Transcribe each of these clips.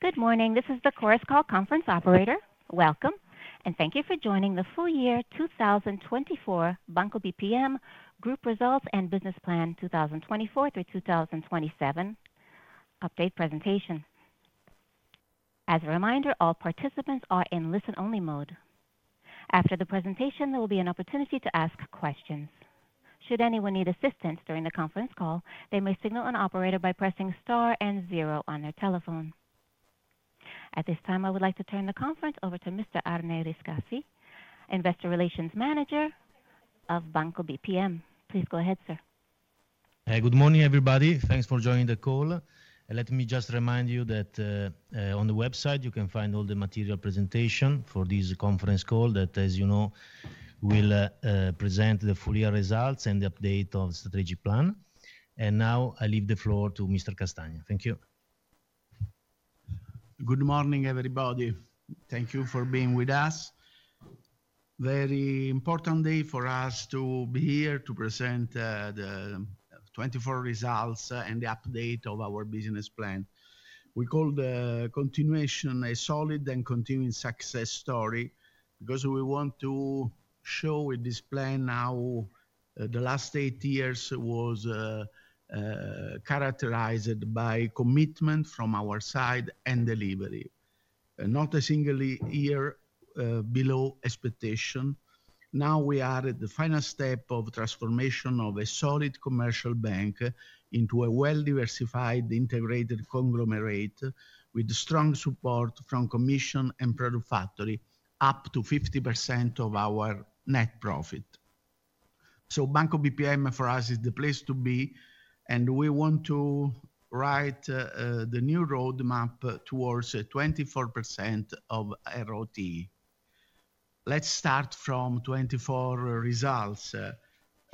Good morning. This is the Chorus Call conference operator. Welcome, and thank you for joining the full year 2024 Banco BPM Group Results and Business Plan 2024 through 2027 update presentation. As a reminder, all participants are in listen-only mode. After the presentation, there will be an opportunity to ask questions. Should anyone need assistance during the conference call, they may signal an operator by pressing star and zero on their telephone. At this time, I would like to turn the conference over to Mr. Arne Riscassi, Investor Relations Manager of Banco BPM. Please go ahead, sir. Good morning, everybody. Thanks for joining the call. Let me just remind you that on the website, you can find all the material presentation for this conference call that, as you know, will present the full year results and the update of the strategic plan. And now I leave the floor to Mr. Castagna. Thank you. Good morning, everybody. Thank you for being with us. Very important day for us to be here to present the 2024 results and the update of our business plan. We call the continuation a solid and continuing success story because we want to show with this plan how the last eight years was characterized by commitment from our side and delivery, not a single year below expectation. Now we are at the final step of transformation of a solid commercial bank into a well-diversified integrated conglomerate with strong support from commission and product factory up to 50% of our net profit. So Banco BPM, for us, is the place to be, and we want to write the new roadmap towards 24% of ROTE. Let's start from 2024 results.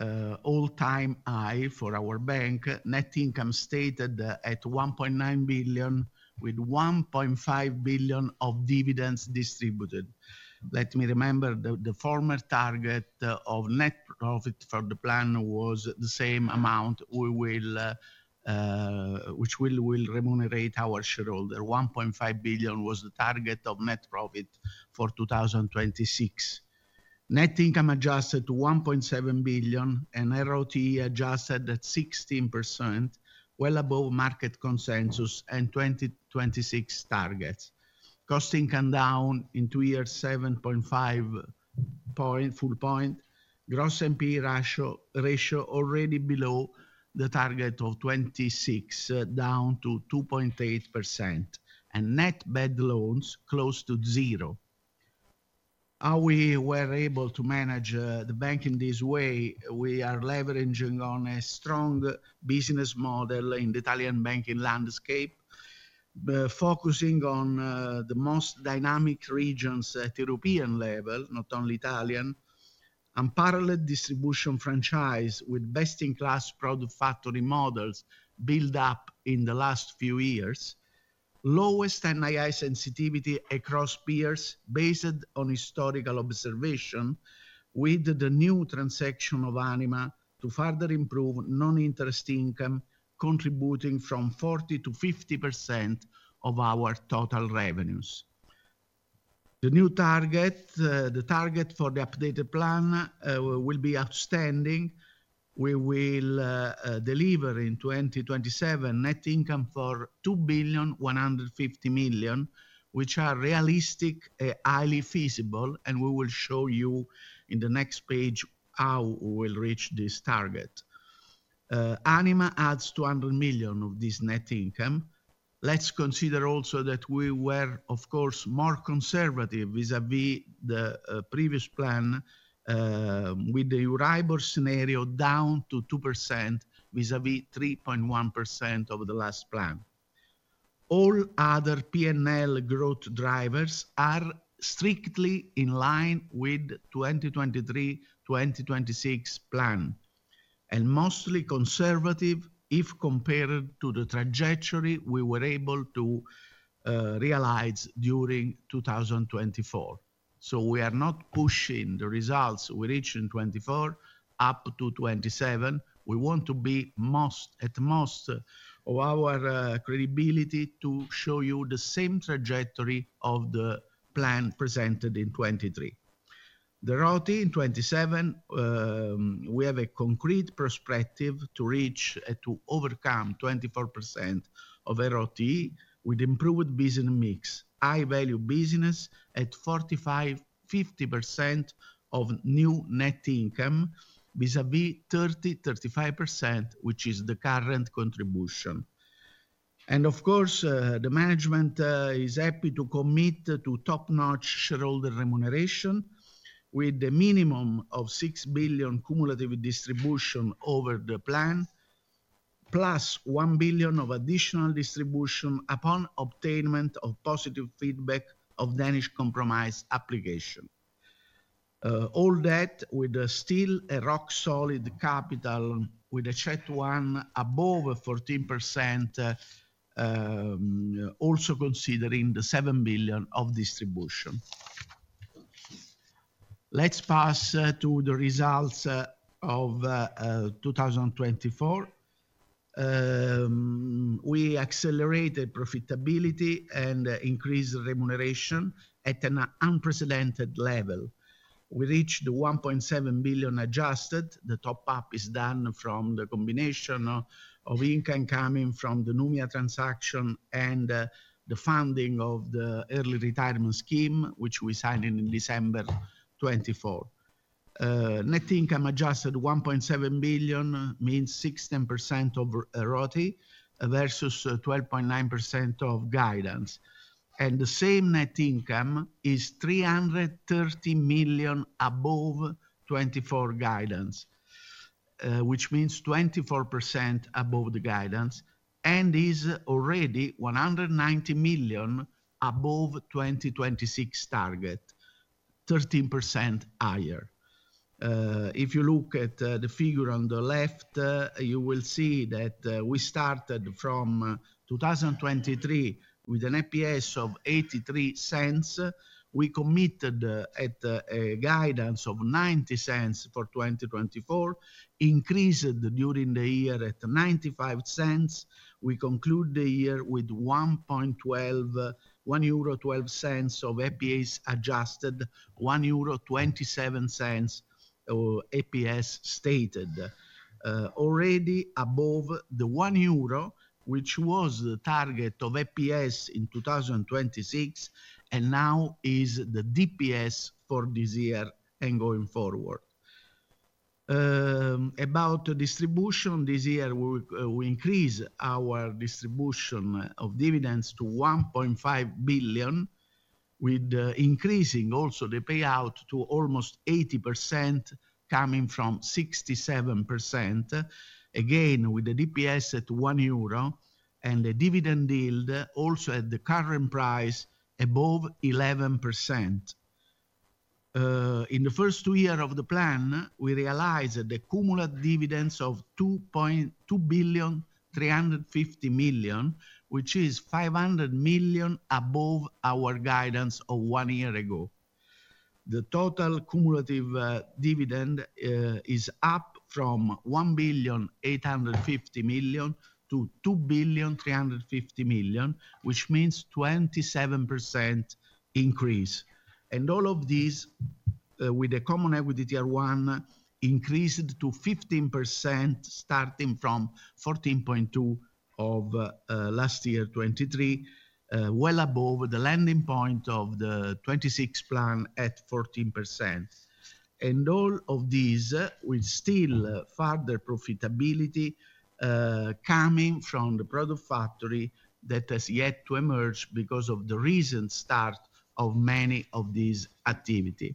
All-time high for our bank, net income stated at 1.9 billion with €1.5 billion of dividends distributed. Let me remember the former target of net profit for the plan was the same amount which will remunerate our shareholder. 1.5 billion was the target of net profit for 2026. Net income adjusted to 1.7 billion and ROT adjusted at 16%, well above market consensus and 2026 targets. Cost/income down in two years, 7.5 full point. Gross NP ratio already below the target of 26%, down to 2.8%. Net bad loans close to zero. How we were able to manage the bank in this way, we are leveraging on a strong business model in the Italian banking landscape, focusing on the most dynamic regions at European level, not only Italian, and parallel distribution franchise with best-in-class product factory models built up in the last few years. Lowest NII sensitivity across peers based on historical observation with the new transaction of Anima to further improve non-interest income contributing from 40% to 50% of our total revenues. The new target, the target for the updated plan will be outstanding. We will deliver in 2027 net income for 2.15 billion, which are realistic and highly feasible, and we will show you in the next page how we will reach this target. Anima adds 200 million of this net income. Let's consider also that we were, of course, more conservative vis-à-vis the previous plan with the Euribor scenario down to 2% vis-à-vis 3.1% of the last plan. All other P&L growth drivers are strictly in line with the 2023-2026 plan and mostly conservative if compared to the trajectory we were able to realize during 2024. So we are not pushing the results we reached in 2024 up to 2027. We want to make the most of our credibility to show you the same trajectory of the plan presented in 2023. The ROTE in 2027, we have a concrete perspective to reach and to overcome 24% ROTE with improved business mix, high-value business at 45%-50% of new net income vis-à-vis 30%-35%, which is the current contribution. And of course, the management is happy to commit to top-notch shareholder remuneration with the minimum of 6 billion cumulative distribution over the plan, plus 1 billion of additional distribution upon obtainment of positive feedback of Danish Compromise application. All that with still a rock-solid capital with a CET1 above 14%, also considering the 7 billion of distribution. Let's pass to the results of 2024. We accelerated profitability and increased remuneration at an unprecedented level. We reached 1.7 billion adjusted. The top-up is done from the combination of income coming from the Numia transaction and the funding of the early retirement scheme, which we signed in December 2024. Net income adjusted 1.7 billion means 16% of ROT versus 12.9% of guidance. And the same net income is 330 million above 2024 guidance, which means 24% above the guidance and is already 190 million above 2026 target, 13% higher. If you look at the figure on the left, you will see that we started from 2023 with an EPS of 0.83. We committed at a guidance of 0.90 for 2024, increased during the year at 0.95. We conclude the year with 1.12 euro of EPS adjusted, 1.27 euro EPS stated, already above the 1 euro, which was the target of EPS in 2026, and now is the DPS for this year and going forward. About distribution this year, we increase our distribution of dividends to 1.5 billion, with increasing also the payout to almost 80% coming from 67%, again with the DPS at 1 euro and the dividend yield also at the current price above 11%. In the first two years of the plan, we realized the cumulative dividends of 2.35 billion, which is 500 million above our guidance of one year ago. The total cumulative dividend is up from 1.85 billion to 2.35 billion, which means 27% increase. And all of these with the Common Equity Tier 1 increased to 15% starting from 14.2% of last year, 2023, well above the landing point of the 2026 plan at 14%. And all of these with still further profitability coming from the product factory that has yet to emerge because of the recent start of many of these activities.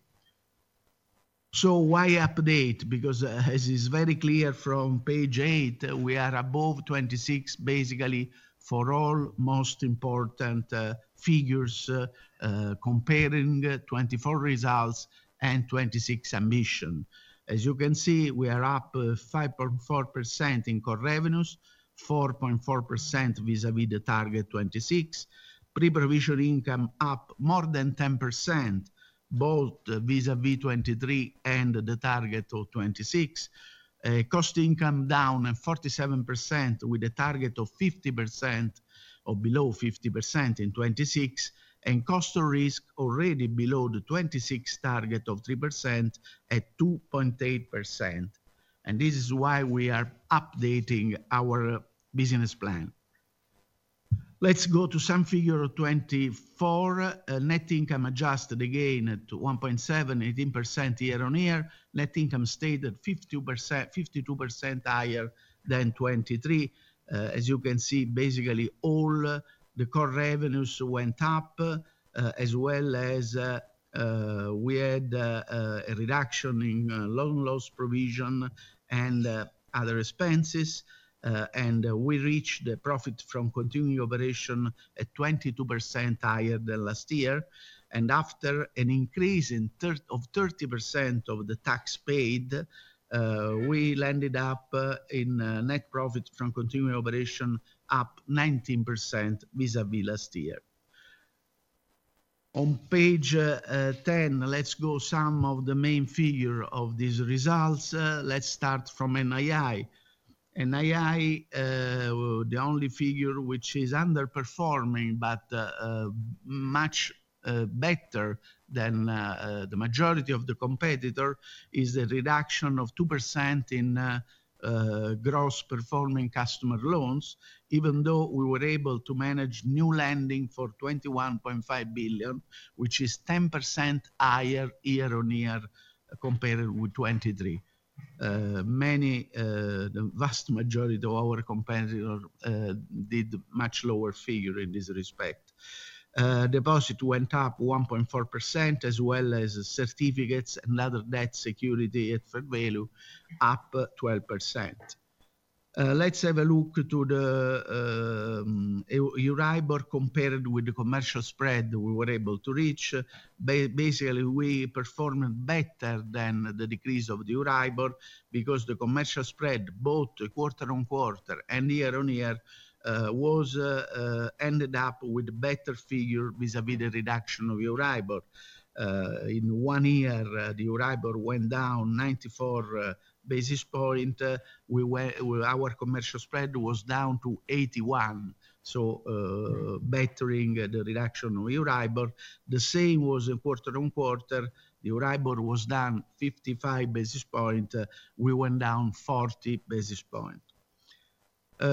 So why update? Because as is very clear from page eight, we are above 2026 basically for all most important figures comparing 2024 results and 2026 ambition. As you can see, we are up 5.4% in core revenues, 4.4% vis-à-vis the target 2026, pre-provision income up more than 10% both vis-à-vis 2023 and the target of 2026, cost income down 47% with a target of 50% or below 50% in 2026, and cost of risk already below the 2026 target of 3% at 2.8%. And this is why we are updating our business plan. Let's go to some figure of 2024. Net income adjusted again to 1.7, 18% year on year. Net income stated 52% higher than 2023. As you can see, basically all the core revenues went up as well as we had a reduction in loan loss provision and other expenses. We reached the profit from continuing operation at 22% higher than last year. After an increase of 30% of the tax paid, we landed up in net profit from continuing operation up 19% vis-à-vis last year. On page 10, let's go some of the main figure of these results. Let's start from NII. NII, the only figure which is underperforming but much better than the majority of the competitor, is the reduction of 2% in gross performing customer loans, even though we were able to manage new lending for 21.5 billion, which is 10% higher year on year compared with 2023. The vast majority of our competitor did much lower figure in this respect. Deposit went up 1.4% as well as certificates and other debt security at fair value up 12%. Let's have a look to the Euribor compared with the commercial spread we were able to reach. Basically, we performed better than the decrease of the Euribor because the commercial spread both quarter on quarter and year on year ended up with a better figure vis-à-vis the reduction of Euribor. In one year, the Euribor went down 94 basis points. Our commercial spread was down to 81, so bettering the reduction of Euribor. The same was quarter on quarter. The Euribor was down 55 basis points. We went down 40 basis points. How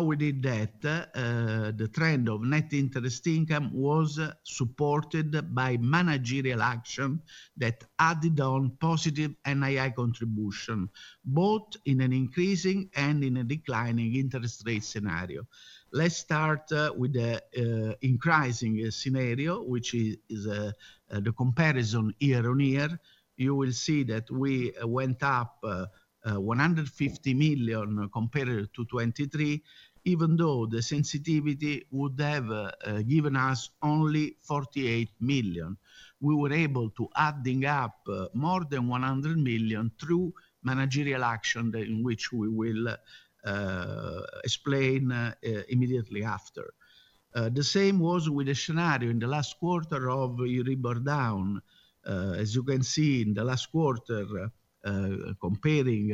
we did that? The trend of net interest income was supported by managerial action that added on positive NII contribution both in an increasing and in a declining interest rate scenario. Let's start with the increasing scenario, which is the comparison year on year. You will see that we went up 150 million compared to 2023, even though the sensitivity would have given us only 48 million. We were able to add up more than 100 million through managerial action in which we will explain immediately after. The same was with the scenario in the last quarter of Euribor down. As you can see in the last quarter, comparing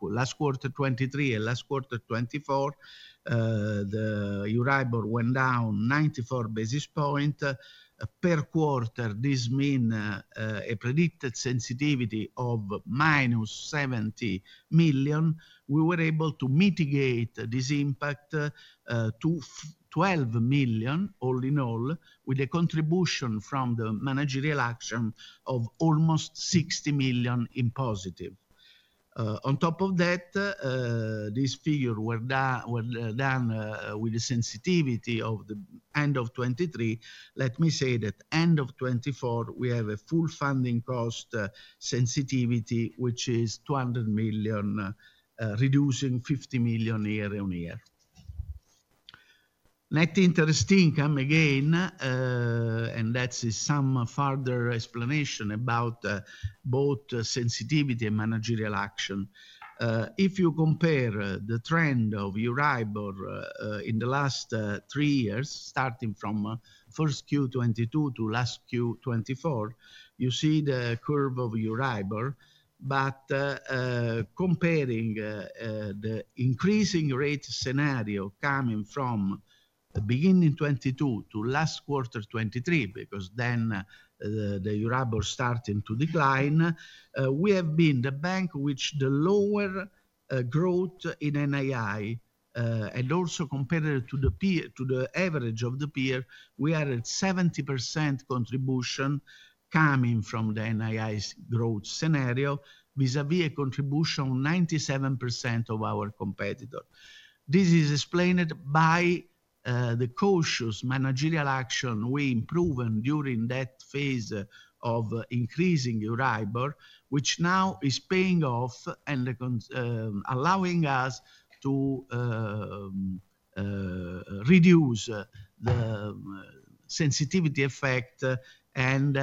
last quarter 2023 and last quarter 2024, the Euribor went down 94 basis points per quarter. This means a predicted sensitivity of minus 70 million. We were able to mitigate this impact to 12 million all in all with a contribution from the managerial action of almost 60 million in positive. On top of that, these figures were done with the sensitivity of the end of 2023. Let me say that end of 2024, we have a full funding cost sensitivity, which is 200 million, reducing 50 million year on year. Net interest income again, and that's some further explanation about both sensitivity and managerial action. If you compare the trend of Euribor in the last three years, starting from first Q 2022 to last Q 2024, you see the curve of Euribor. But comparing the increasing rate scenario coming from beginning 2022 to last quarter 2023, because then the Euribor starting to decline, we have been the bank which the lower growth in NII and also compared to the average of the peer, we are at 70% contribution coming from the NII growth scenario vis-à-vis a contribution of 97% of our competitor. This is explained by the cautious managerial action we improved during that phase of increasing Euribor, which now is paying off and allowing us to reduce the sensitivity effect and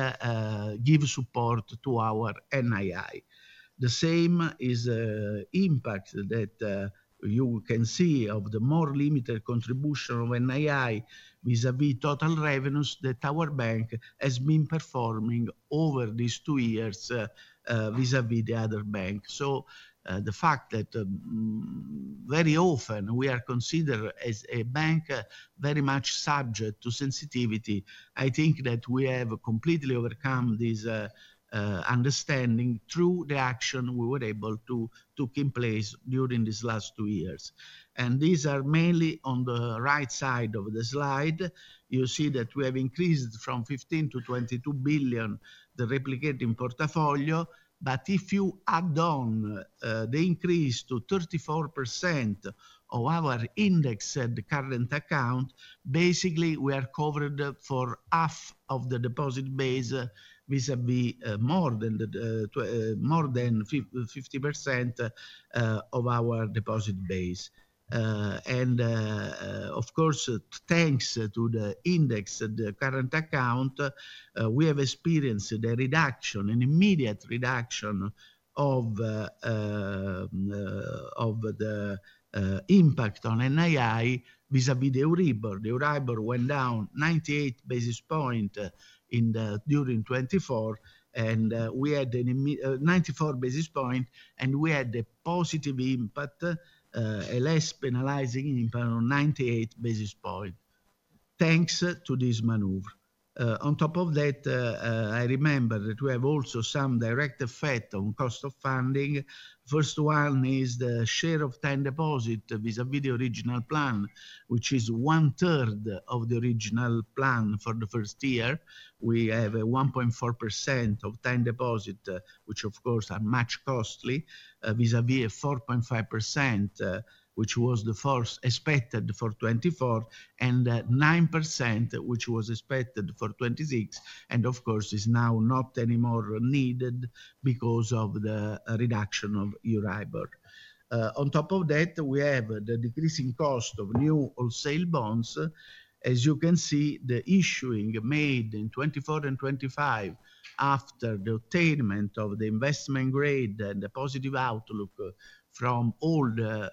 give support to our NII. The same is the impact that you can see of the more limited contribution of NII vis-à-vis total revenues that our bank has been performing over these two years vis-à-vis the other bank, so the fact that very often we are considered as a bank very much subject to sensitivity. I think that we have completely overcome this understanding through the action we were able to take in place during these last two years, and these are mainly on the right side of the slide. You see that we have increased from 15 billion to 22 billion, the replicating portfolio. But if you add on the increase to 34% of our indexed current account, basically we are covered for half of the deposit base vis-à-vis more than 50% of our deposit base. And of course, thanks to the indexed current account, we have experienced the reduction and immediate reduction of the impact on NII vis-à-vis the Euribor. The Euribor went down 98 basis points during 2024, and we had 94 basis points, and we had a positive impact, a less penalizing impact on 98 basis points. Thanks to this maneuver. On top of that, I remember that we have also some direct effect on cost of funding. First one is the share of time deposit vis-à-vis the original plan, which is one third of the original plan for the first year. We have a 1.4% of time deposit, which of course are much costly vis-à-vis 4.5%, which was the first expected for 2024, and 9%, which was expected for 2026, and of course is now not anymore needed because of the reduction of Euribor. On top of that, we have the decreasing cost of new wholesale bonds. As you can see, the issuing made in 2024 and 2025 after the attainment of the investment grade and the positive outlook from all the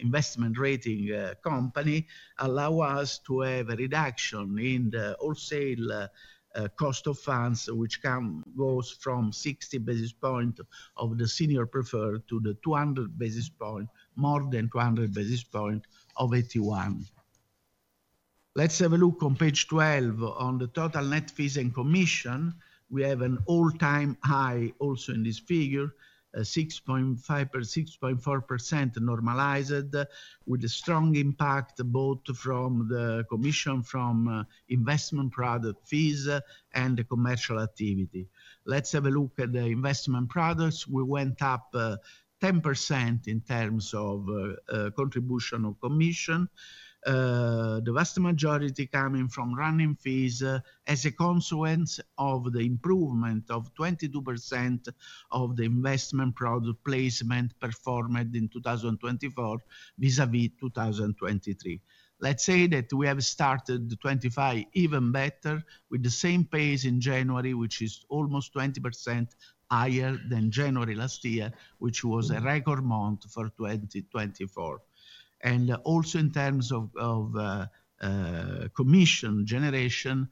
investment rating company allow us to have a reduction in the wholesale cost of funds, which goes from 60 basis points of the senior preferred to the 200 basis points, more than 200 basis points of '81. Let's have a look on page 12 on the total net fees and commission. We have an all-time high also in this figure, 6.4% normalized with a strong impact both from the commission from investment product fees and the commercial activity. Let's have a look at the investment products. We went up 10% in terms of contribution of commission. The vast majority coming from running fees as a consequence of the improvement of 22% of the investment product placement performed in 2024 vis-à-vis 2023. Let's say that we have started 2025 even better with the same pace in January, which is almost 20% higher than January last year, which was a record month for 2024. And also in terms of commission generation,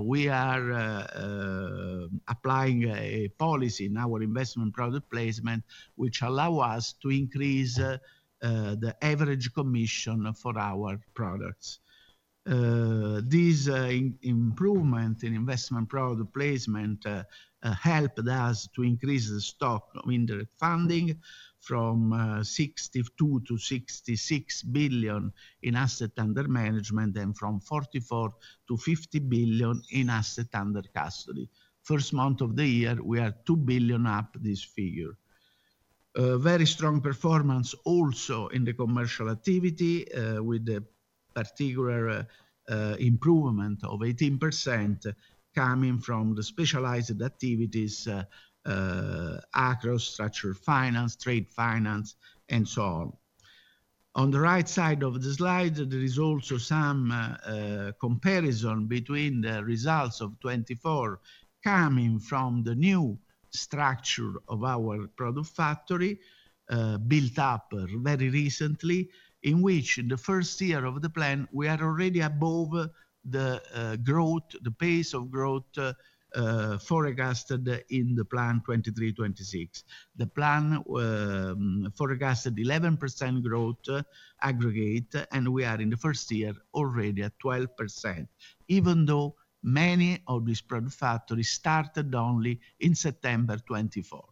we are applying a policy in our investment product placement, which allows us to increase the average commission for our products. This improvement in investment product placement helped us to increase the stock of indirect funding from 62 billion to 66 billion in asset under management and from 44 billion to 50 billion in asset under custody. First month of the year, we are 2 billion up this figure. Very strong performance also in the commercial activity with the particular improvement of 18% coming from the specialized activities, across structured finance, trade finance, and so on. On the right side of the slide, there is also some comparison between the results of 2024 coming from the new structure of our product factory built up very recently, in which in the first year of the plan, we are already above the growth, the pace of growth forecasted in the plan 2023-2026. The plan forecasted 11% growth aggregate, and we are in the first year already at 12%, even though many of these product factories started only in September 2024.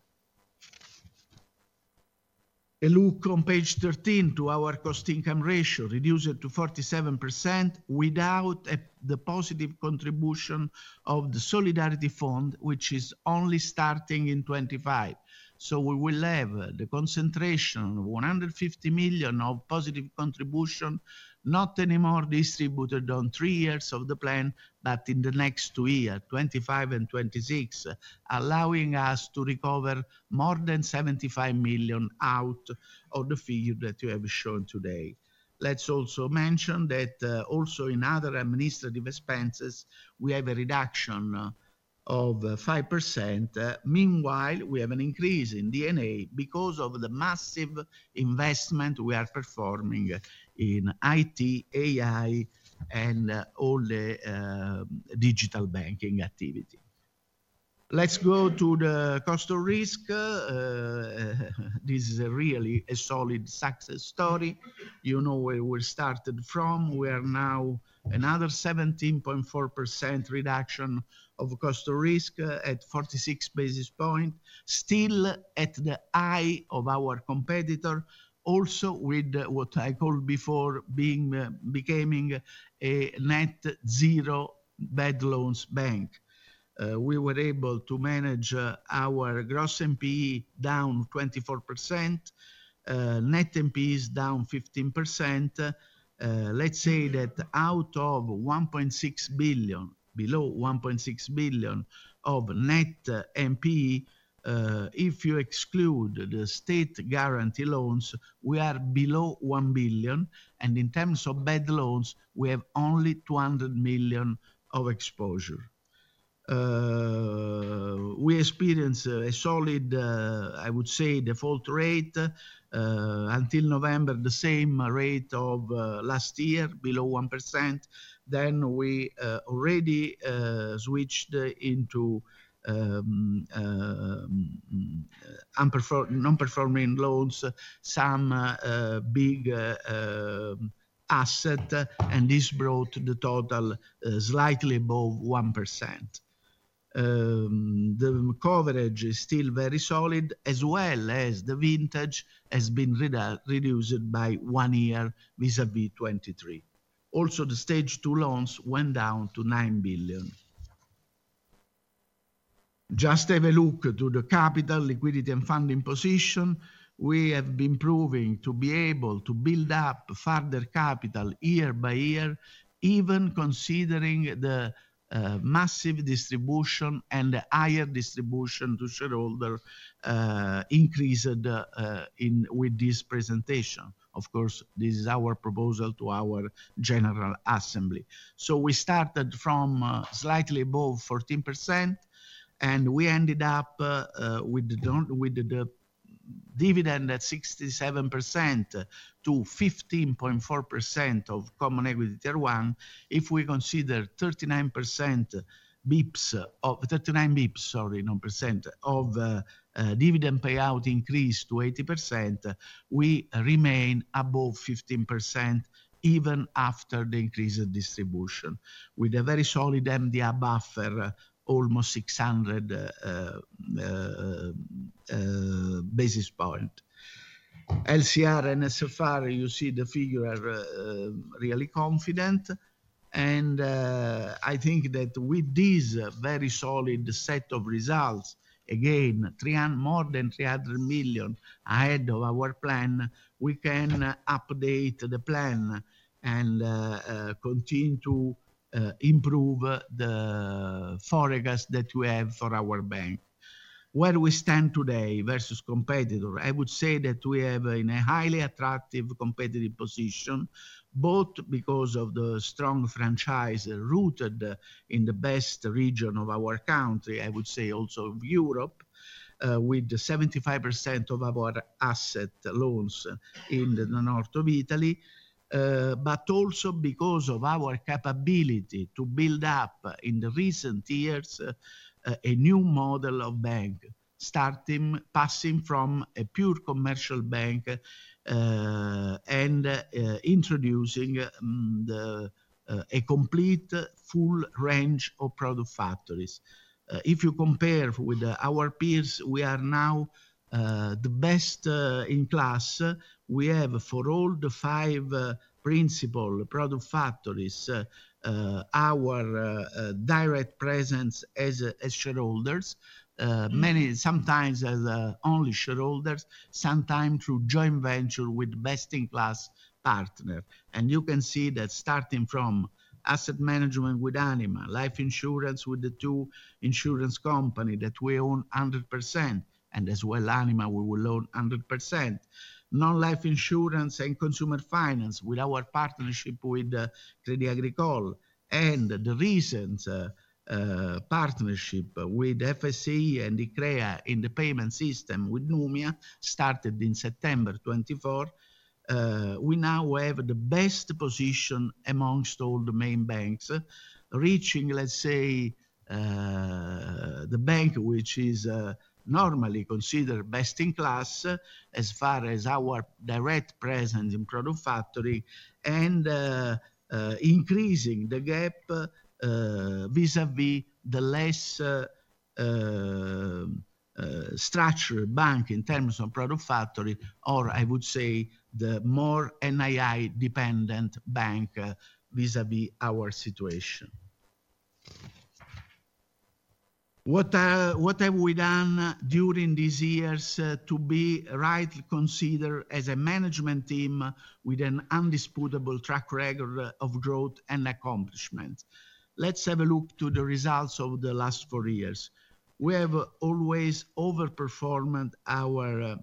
A look on page 13 to our cost income ratio reduced to 47% without the positive contribution of the solidarity fund, which is only starting in 2025. So we will have the concentration of 150 million of positive contribution, not anymore distributed on three years of the plan, but in the next two years, 2025 and 2026, allowing us to recover more than 75 million out of the figure that you have shown today. Let's also mention that also in other administrative expenses, we have a reduction of 5%. Meanwhile, we have an increase in D&A because of the massive investment we are performing in IT, AI, and all the digital banking activity. Let's go to the cost of risk. This is really a solid success story. You know where we started from. We are now another 17.4% reduction of cost of risk at 46 basis points, still at the high of our competitor, also with what I called before becoming a net zero bad loans bank. We were able to manage our gross NPE down 24%, net NPEs down 15%. Let's say that out of 1.6 billion below 1.6 billion of net NPE, if you exclude the state guarantee loans, we are below 1 billion. And in terms of bad loans, we have only 200 million of exposure. We experience a solid, I would say, default rate until November, the same rate of last year, below 1%. Then we already switched into non-performing loans, some big asset, and this brought the total slightly above 1%. The coverage is still very solid, as well as the vintage has been reduced by one year vis-à-vis 2023. Also, the stage two loans went down to 9 billion. Just have a look to the capital, liquidity, and funding position. We have been proving to be able to build up further capital year by year, even considering the massive distribution and the higher distribution to shareholder increased with this presentation. Of course, this is our proposal to our General Assembly. We started from slightly above 14%, and we ended up with the dividend at 67% to 15.4% of Common Equity Tier 1. If we consider 39 basis points of 39 basis points, sorry, 9% of dividend payout increased to 80%, we remain above 15% even after the increased distribution with a very solid MDA buffer, almost 600 basis points. LCR and NSFR, you see the figures are really comfortable. I think that with this very solid set of results, again, more than €300 million ahead of our plan, we can update the plan and continue to improve the forecast that we have for our bank. Where we stand today versus competitor, I would say that we have a highly attractive competitive position, both because of the strong franchise rooted in the best region of our country, I would say also of Europe, with 75% of our asset loans in the north of Italy, but also because of our capability to build up in the recent years a new model of bank, starting passing from a pure commercial bank and introducing a complete full range of product factories. If you compare with our peers, we are now the best in class. We have for all the five principal product factories, our direct presence as shareholders, many sometimes as only shareholders, sometimes through joint venture with best in class partner. And you can see that starting from asset management with Anima, life insurance with the two insurance companies that we own 100%, and as well Anima, we will own 100%. Non-life insurance and consumer finance with our partnership with Crédit Agricole and the recent partnership with FSI and Iccrea in the payment system with Numia started in September 2024. We now have the best position among all the main banks, reaching, let's say, the bank which is normally considered best in class as far as our direct presence in product factory and increasing the gap vis-à-vis the less structured bank in terms of product factory, or I would say the more NII dependent bank vis-à-vis our situation. What have we done during these years to be rightly considered as a management team with an indisputable track record of growth and accomplishment? Let's have a look to the results of the last four years. We have always overperformed our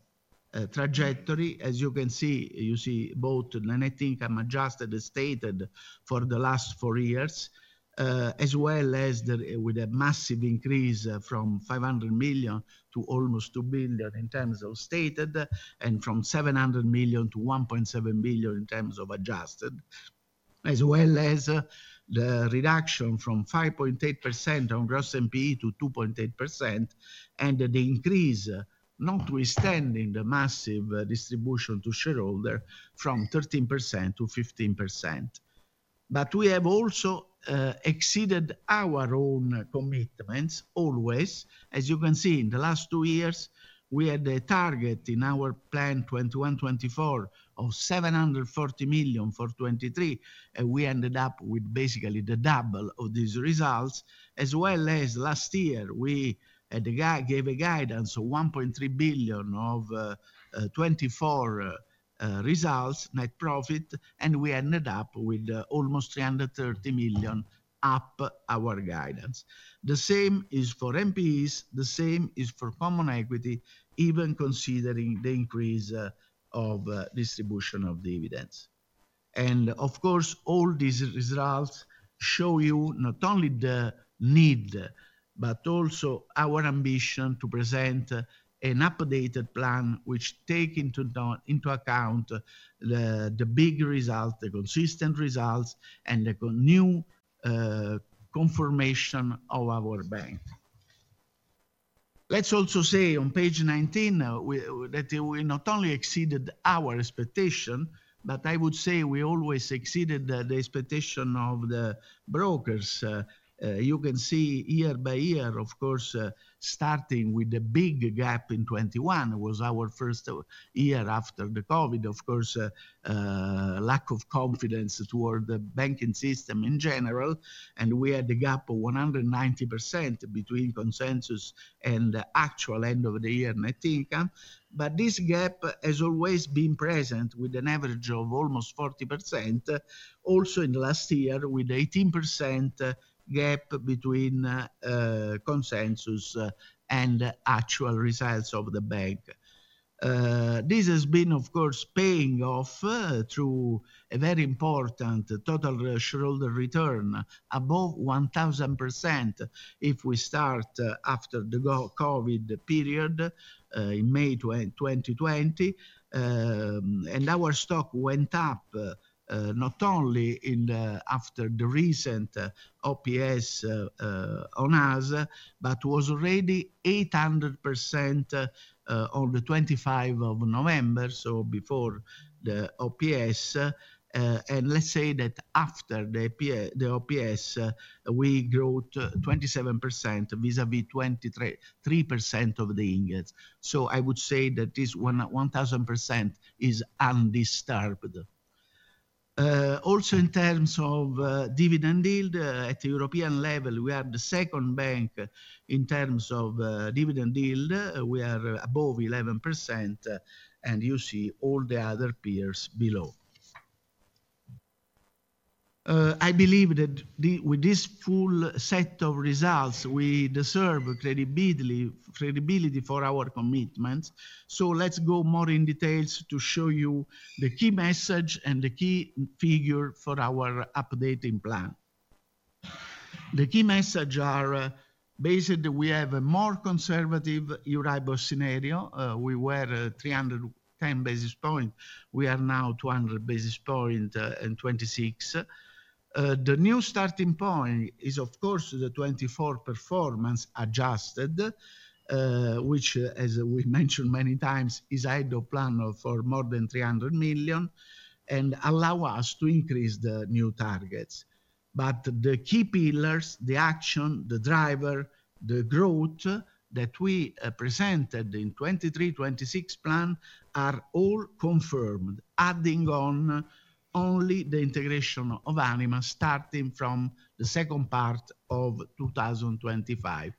trajectory. As you can see, you see both the net income adjusted as stated for the last four years, as well as with a massive increase from 500 million to almost 2 billion in terms of stated, and from 700 million to 1.7 billion in terms of adjusted, as well as the reduction from 5.8% on gross NPE to 2.8%, and the increase notwithstanding the massive distribution to shareholder from 13% to 15%. But we have also exceeded our own commitments always. As you can see, in the last two years, we had a target in our plan 21-24 of 740 million for 2023, and we ended up with basically the double of these results. As well as last year, we gave a guidance of 1.3 billion of 2024 results, net profit, and we ended up with almost 330 million above our guidance. The same is for NPEs, the same is for common equity, even considering the increase of distribution of dividends. Of course, all these results show you not only the need, but also our ambition to present an updated plan which takes into account the big results, the consistent results, and the new confirmation of our bank. Let's also say on page 19 that we not only exceeded our expectation, but I would say we always exceeded the expectation of the brokers. You can see year by year, of course, starting with the big gap in 2021. It was our first year after the COVID, of course, lack of confidence toward the banking system in general, and we had a gap of 190% between consensus and the actual end of the year net income. But this gap has always been present with an average of almost 40%, also in the last year with 18% gap between consensus and actual results of the bank. This has been, of course, paying off through a very important total shareholder return above 1000% if we start after the COVID period in May 2020. And our stock went up not only after the recent OPS on us, but was already 800% on the 25th of November, so before the OPS. And let's say that after the OPS, we grew 27% vis-à-vis 23% of Intesa. I would say that this 1000% is undisturbed. Also in terms of dividend yield at the European level, we are the second bank in terms of dividend yield. We are above 11%, and you see all the other peers below. I believe that with this full set of results, we deserve credibility for our commitments. Let's go more in details to show you the key message and the key figure for our updating plan. The key message are basically we have a more conservative Euribor scenario. We were 310 basis points. We are now 200 basis points and 26. The new starting point is, of course, the 2024 performance adjusted, which, as we mentioned many times, is ahead of plan for more than 300 million and allow us to increase the new targets. The key pillars, the action, the driver, the growth that we presented in 2023-2026 plan are all confirmed, adding on only the integration of Anima starting from the second part of 2025.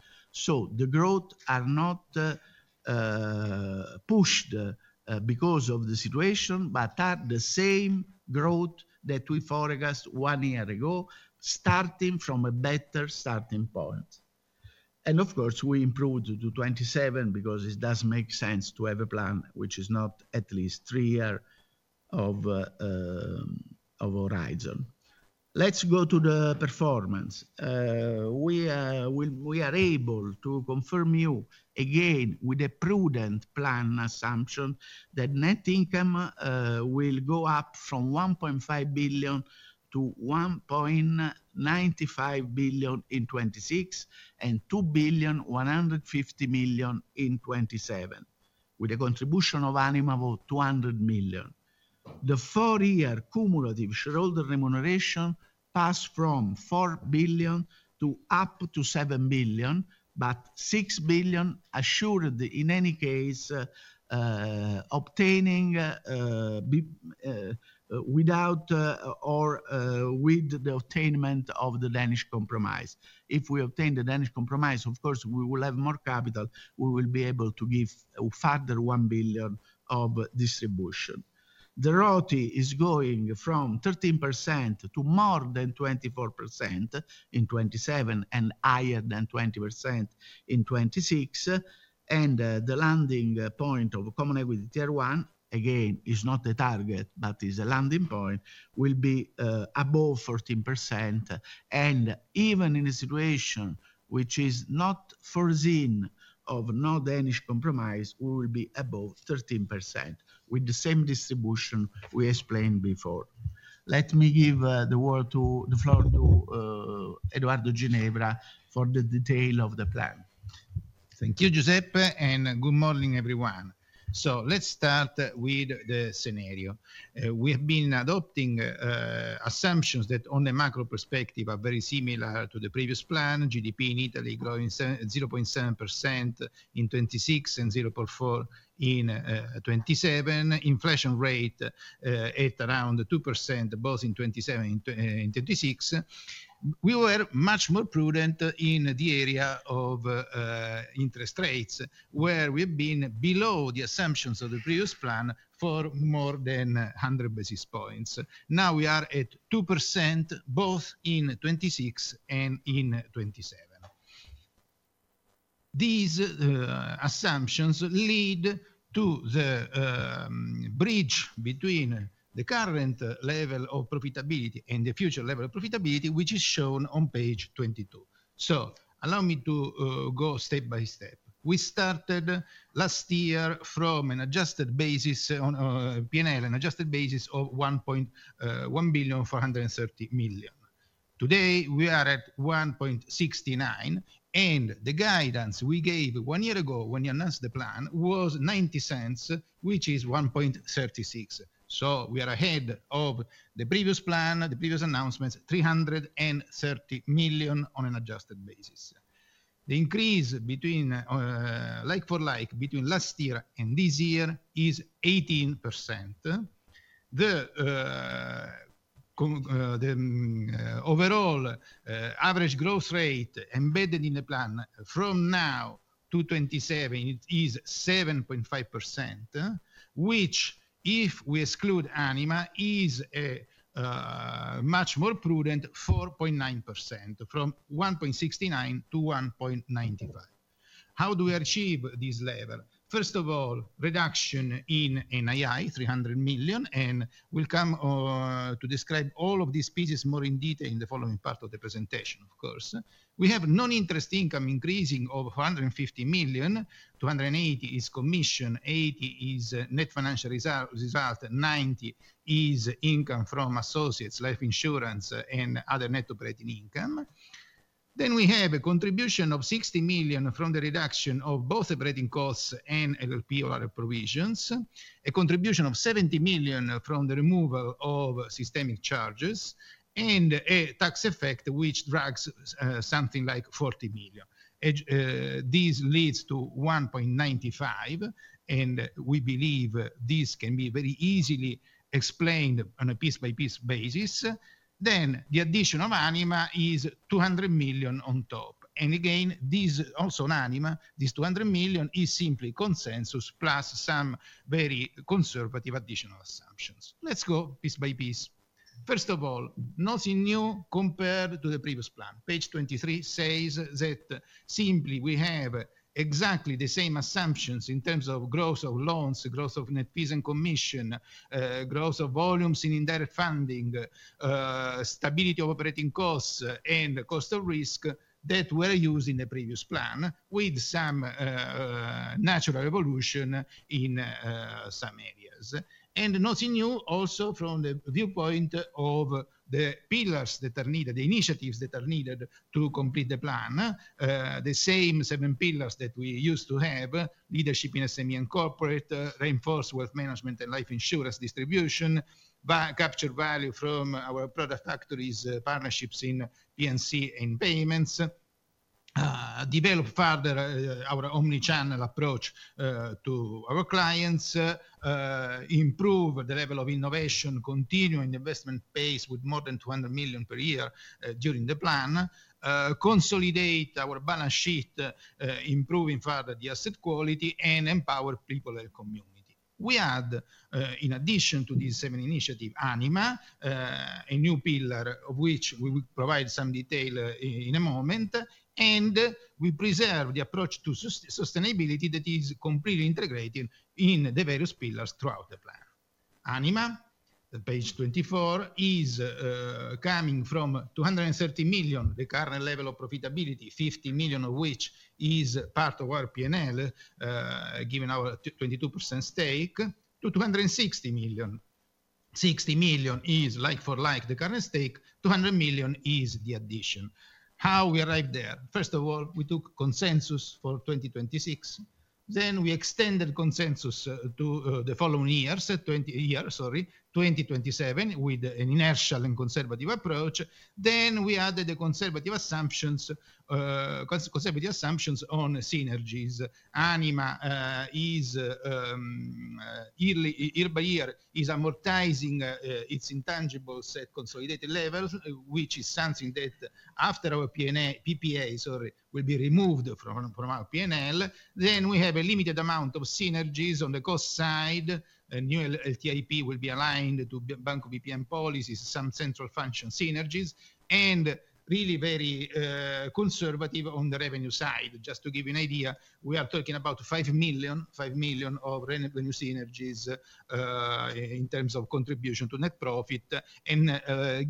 The growth are not pushed because of the situation, but are the same growth that we forecast one year ago, starting from a better starting point. Of course, we improved to 2027 because it does make sense to have a plan which is not at least three years of horizon. Let's go to the performance. We are able to confirm you again with a prudent plan assumption that net income will go up from 1.5 billion to 1.95 billion in 2026 and 2.15 billion in 2027, with a contribution of Anima of 200 million. The four-year cumulative shareholder remuneration passed from 4 billion to up to 7 billion, but 6 billion assured in any case obtaining without or with the attainment of the Danish Compromise. If we obtain the Danish Compromise, of course, we will have more capital. We will be able to give further 1 billion of distribution. The ROTE is going from 13% to more than 24% in 2027 and higher than 20% in 2026. The landing point of Common Equity Tier 1, again, is not the target, but is a landing point, will be above 14%. Even in a situation which is not foreseen of no Danish Compromise, we will be above 13% with the same distribution we explainedbefore. Let me give the floor to Edoardo Ginevra for the detail of the plan. Thank you, Giuseppe, and good morning, everyone. Let's start with the scenario. We have been adopting assumptions that on the macro perspective are very similar to the previous plan. GDP in Italy growing 0.7% in 2026 and 0.4% in 2027. Inflation rate at around 2% both in 2027 and 2026. We were much more prudent in the area of interest rates where we have been below the assumptions of the previous plan for more than 100 basis points. Now we are at 2% both in 2026 and in 2027. These assumptions lead to the bridge between the current level of profitability and the future level of profitability, which is shown on page 22. So allow me to go step by step. We started last year from an adjusted basis on P&L, an adjusted basis of 1.43 billion. Today, we are at 1.69, and the guidance we gave one year ago when we announced the plan was 0.90, which is 1.36. So we are ahead of the previous plan, the previous announcements, 330 million on an adjusted basis. The increase between like for like between last year and this year is 18%. The overall average growth rate embedded in the plan from now to 2027 is 7.5%, which if we exclude Anima is a much more prudent 4.9% from 1.69 to 1.95. How do we achieve this level? First of all, reduction in NII, 300 million, and we'll come to describe all of these pieces more in detail in the following part of the presentation, of course. We have non-interest income increasing of 150 million. 280 million is commission, 80 million is net financial result, 90 million is income from associates, life insurance, and other net operating income. Then we have a contribution of 60 million from the reduction of both operating costs and LLP or other provisions, a contribution of 70 million from the removal of systemic charges, and a tax effect which drags something like 40 million. This leads to 1.95, and we believe this can be very easily explained on a piece-by-piece basis. Then the addition of Anima is 200 million on top. And again, this also in Anima, this 200 million is simply consensus plus some very conservative additional assumptions. Let's go piece by piece. First of all, nothing new compared to the previous plan. Page 23 says that simply we have exactly the same assumptions in terms of growth of loans, growth of net fees and commission, growth of volumes in indirect funding, stability of operating costs, and cost of risk that were used in the previous plan with some natural evolution in some areas. And nothing new also from the viewpoint of the pillars that are needed, the initiatives that are needed to complete the plan, the same seven pillars that we used to have, leadership in SME and corporate, reinforce wealth management and life insurance distribution, capture value from our product factories partnerships in P&C and payments, develop further our omnichannel approach to our clients, improve the level of innovation, continue in the investment base with more than 200 million per year during the plan, consolidate our balance sheet, improving further the asset quality, and empower people and community. We add, in addition to these seven initiatives, Anima, a new pillar of which we will provide some detail in a moment, and we preserve the approach to sustainability that is completely integrated in the various pillars throughout the plan. Anima, page 24, is coming from 230 million, the current level of profitability, 50 million of which is part of our P&L, given our 22% stake, to 260 million. 60 million is like for like the current stake, 200 million is the addition. How we arrived there? First of all, we took consensus for 2026. Then we extended consensus to the following year, sorry, 2027, with an inertial and conservative approach. Then we added the conservative assumptions on synergies. Anima year by year is amortizing its intangible set consolidated levels, which is something that after our PPAs will be removed from our P&L. Then we have a limited amount of synergies on the cost side. New LTIP will be aligned to Banco BPM policies, some central function synergies, and really very conservative on the revenue side. Just to give you an idea, we are talking about 5 million of revenue synergies in terms of contribution to net profit and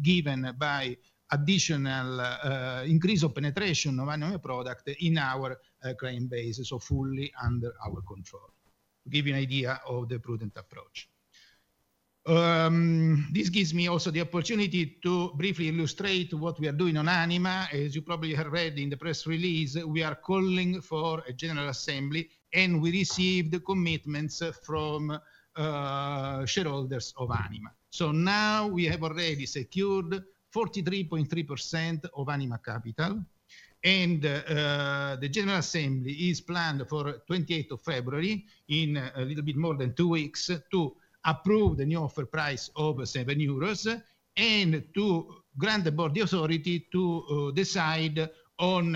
given by additional increase of penetration of Anima product in our client base, so fully under our control. To give you an idea of the prudent approach. This gives me also the opportunity to briefly illustrate what we are doing on Anima. As you probably have read in the press release, we are calling for a general assembly, and we received commitments from shareholders of Anima. Now we have already secured 43.3% of Anima, and the general assembly is planned for 28th of February, in a little bit more than two weeks, to approve the new offer price of 7 euros and to grant the board the authority to decide on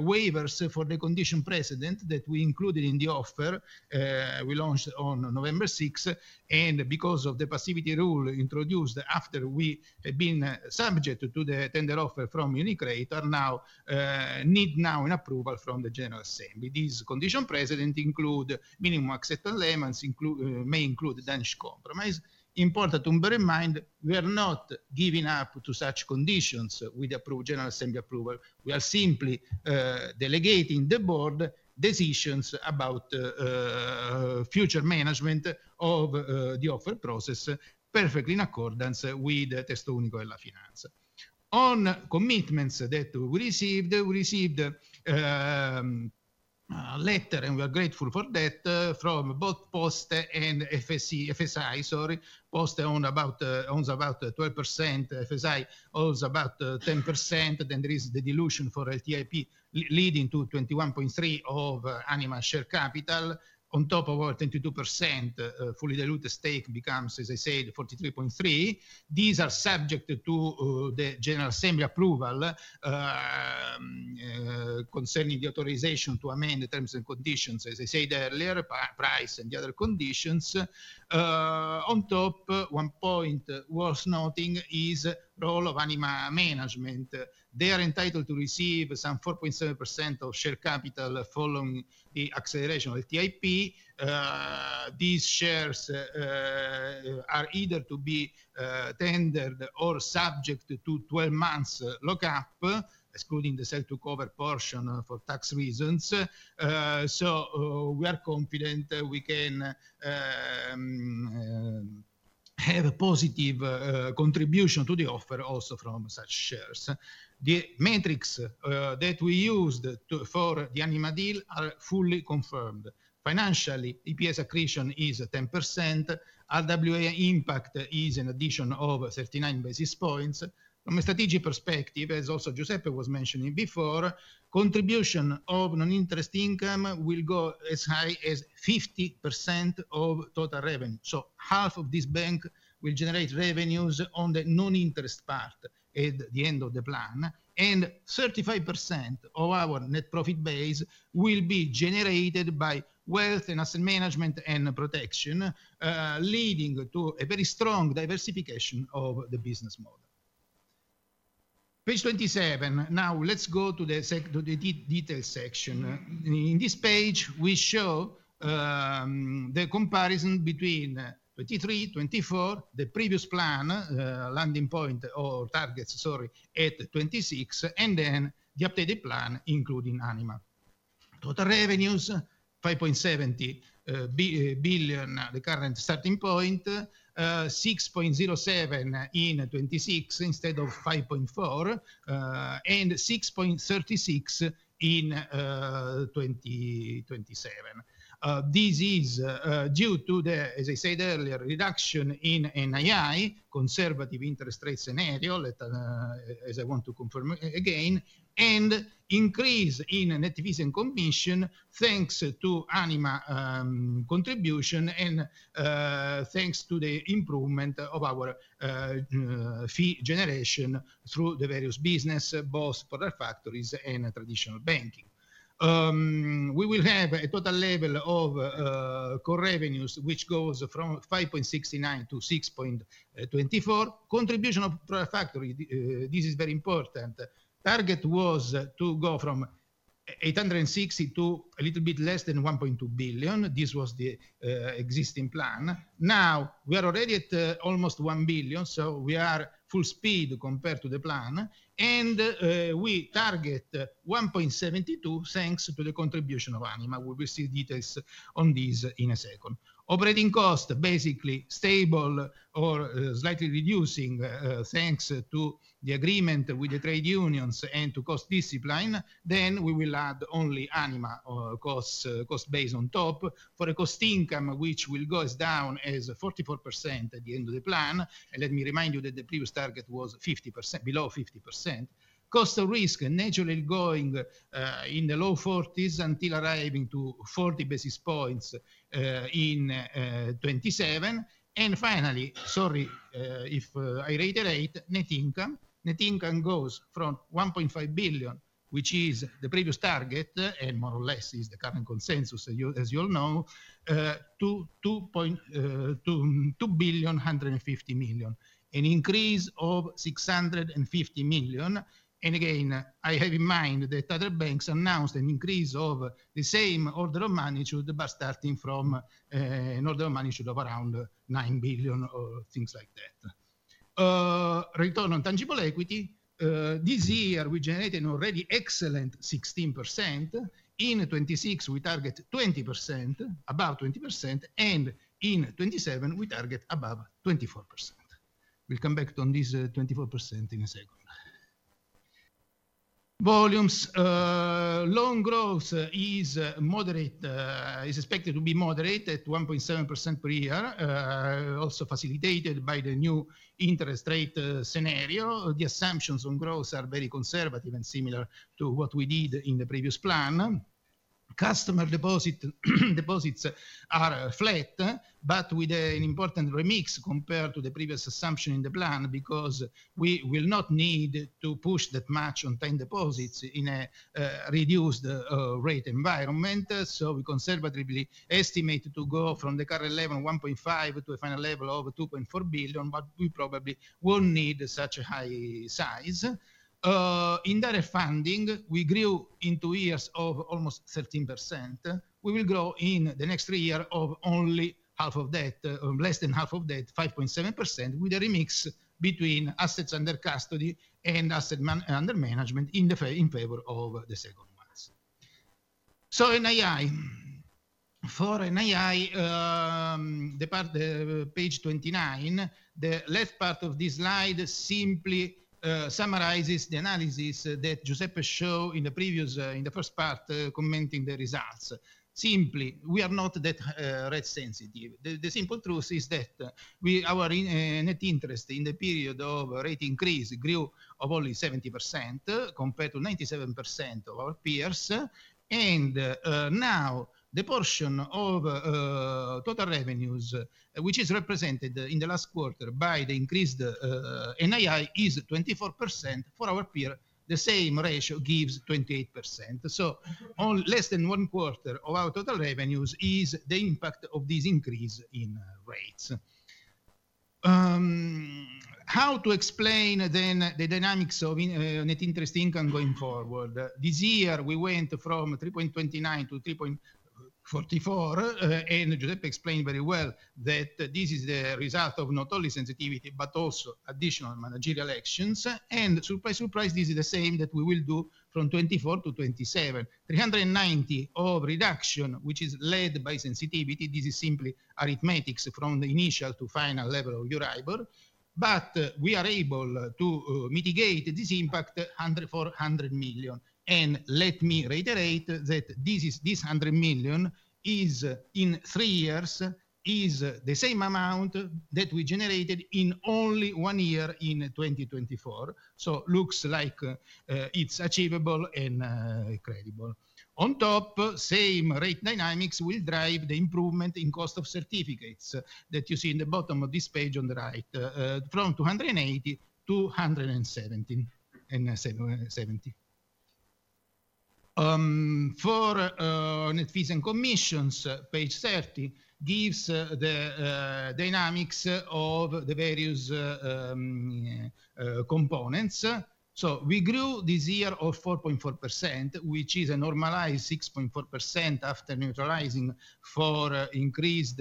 waivers for the condition precedent that we included in the offer we launched on November 6th. Because of the passivity rule introduced after we have been subject to the tender offer from UniCredit, now we need an approval from the general assembly. These condition precedent include minimum acceptance elements may include Danish Compromise. Important to bear in mind, we are not giving up to such conditions with the approved general assembly approval. We are simply delegating the board decisions about future management of the offer process perfectly in accordance with the Testo Unico della Finanza. On commitments that we received, we received a letter, and we are grateful for that, from both Poste and FSI. Sorry, Poste owns about 12%, FSI owns about 10%, then there is the dilution for LTIP leading to 21.3% of Anima share capital. On top of our 22%, fully diluted stake becomes, as I said, 43.3%. These are subject to the general assembly approval concerning the authorization to amend the terms and conditions, as I said earlier, price and the other conditions. On top, one point worth noting is the role of Anima management. They are entitled to receive some 4.7% of share capital following the acceleration of LTIP. These shares are either to be tendered or subject to 12 months lockup, excluding the sale to cover portion for tax reasons. So we are confident we can have a positive contribution to the offer also from such shares. The metrics that we used for the Anima deal are fully confirmed. Financially, EPS accretion is 10%. RWA impact is an addition of 39 basis points. From a strategic perspective, as also Giuseppe was mentioning before, contribution of non-interest income will go as high as 50% of total revenue. So half of this bank will generate revenues on the non-interest part at the end of the plan. And 35% of our net profit base will be generated by wealth and asset management and protection, leading to a very strong diversification of the business model. Page 27. Now let's go to the detail section. In this page, we show the comparison between 2023, 2024, the previous plan, landing point or targets, sorry, at 2026, and then the updated plan including Anima. Total revenues, 5.70 billion, the current starting point, 6.07 in 2026 instead of 5.4, and 6.36 in 2027. This is due to the, as I said earlier, reduction in NII, conservative interest rate scenario, as I want to confirm again, and increase in net fees and commission thanks to Anima contribution and thanks to the improvement of our fee generation through the various business, both product factories and traditional banking. We will have a total level of core revenues which goes from 5.69 billion to 6.24 billion. Contribution of product factory, this is very important. Target was to go from 860 million to a little bit less than 1.2 billion. This was the existing plan. Now we are already at almost 1 billion, so we are full speed compared to the plan, and we target 1.72 billion thanks to the contribution of Anima. We will see details on this in a second. Operating cost, basically stable or slightly reducing thanks to the agreement with the trade unions and to cost discipline. Then we will add only Anima cost base on top for a cost income which will go down as 44% at the end of the plan. And let me remind you that the previous target was below 50%. Cost of risk, naturally going in the low 40s until arriving to 40 basis points in 2027. And finally, sorry if I reiterate, net income. Net income goes from 1.5 billion, which is the previous target and more or less is the current consensus, as you all know, to 2 billion 150 million, an increase of 650 million. And again, I have in mind that other banks announced an increase of the same order of magnitude, but starting from an order of magnitude of around 9 billion or things like that. Return on tangible equity, this year we generated an already excellent 16%. In 2026, we target 20%, above 20%, and in 2027, we target above 24%. We'll come back to this 24% in a second. Volumes, loan growth is expected to be moderate at 1.7% per year, also facilitated by the new interest rate scenario. The assumptions on growth are very conservative and similar to what we did in the previous plan. Customer deposits are flat, but with an important remix compared to the previous assumption in the plan because we will not need to push that much on time deposits in a reduced rate environment. So we conservatively estimate to go from the current level of 1.5 billion to a final level of 2.4 billion, but we probably won't need such a high size. Indirect funding, we grew in two years of almost 13%. We will grow in the next three years at only half of that, less than half of that, 5.7% with a remix between assets under custody and assets under management in favor of the second ones. For NII, the part, page 29, the left part of this slide simply summarizes the analysis that Giuseppe showed in the first part commenting the results. Simply, we are not that rate sensitive. The simple truth is that our net interest in the period of rate increase grew of only 70% compared to 97% of our peers. Now the portion of total revenues, which is represented in the last quarter by the increased NII, is 24% for our peers. The same ratio gives 28%. Less than one quarter of our total revenues is the impact of this increase in rates. How to explain then the dynamics of net interest income going forward? This year, we went from 3.29% to 3.44%, and Giuseppe explained very well that this is the result of not only sensitivity, but also additional managerial actions, and surprise, surprise, this is the same that we will do from 2024 to 2027, 390 of reduction, which is led by sensitivity. This is simply arithmetic from the initial to final level of Euribor. But we are able to mitigate this impact for 100 million. And let me reiterate that this 100 million is in three years, is the same amount that we generated in only one year in 2024. So looks like it's achievable and credible. On top, same rate dynamics will drive the improvement in cost of certificates that you see in the bottom of this page on the right, from 280 to 170 and 70. For net fees and commissions, page 30 gives the dynamics of the various components. So we grew this year of 4.4%, which is a normalized 6.4% after neutralizing for increased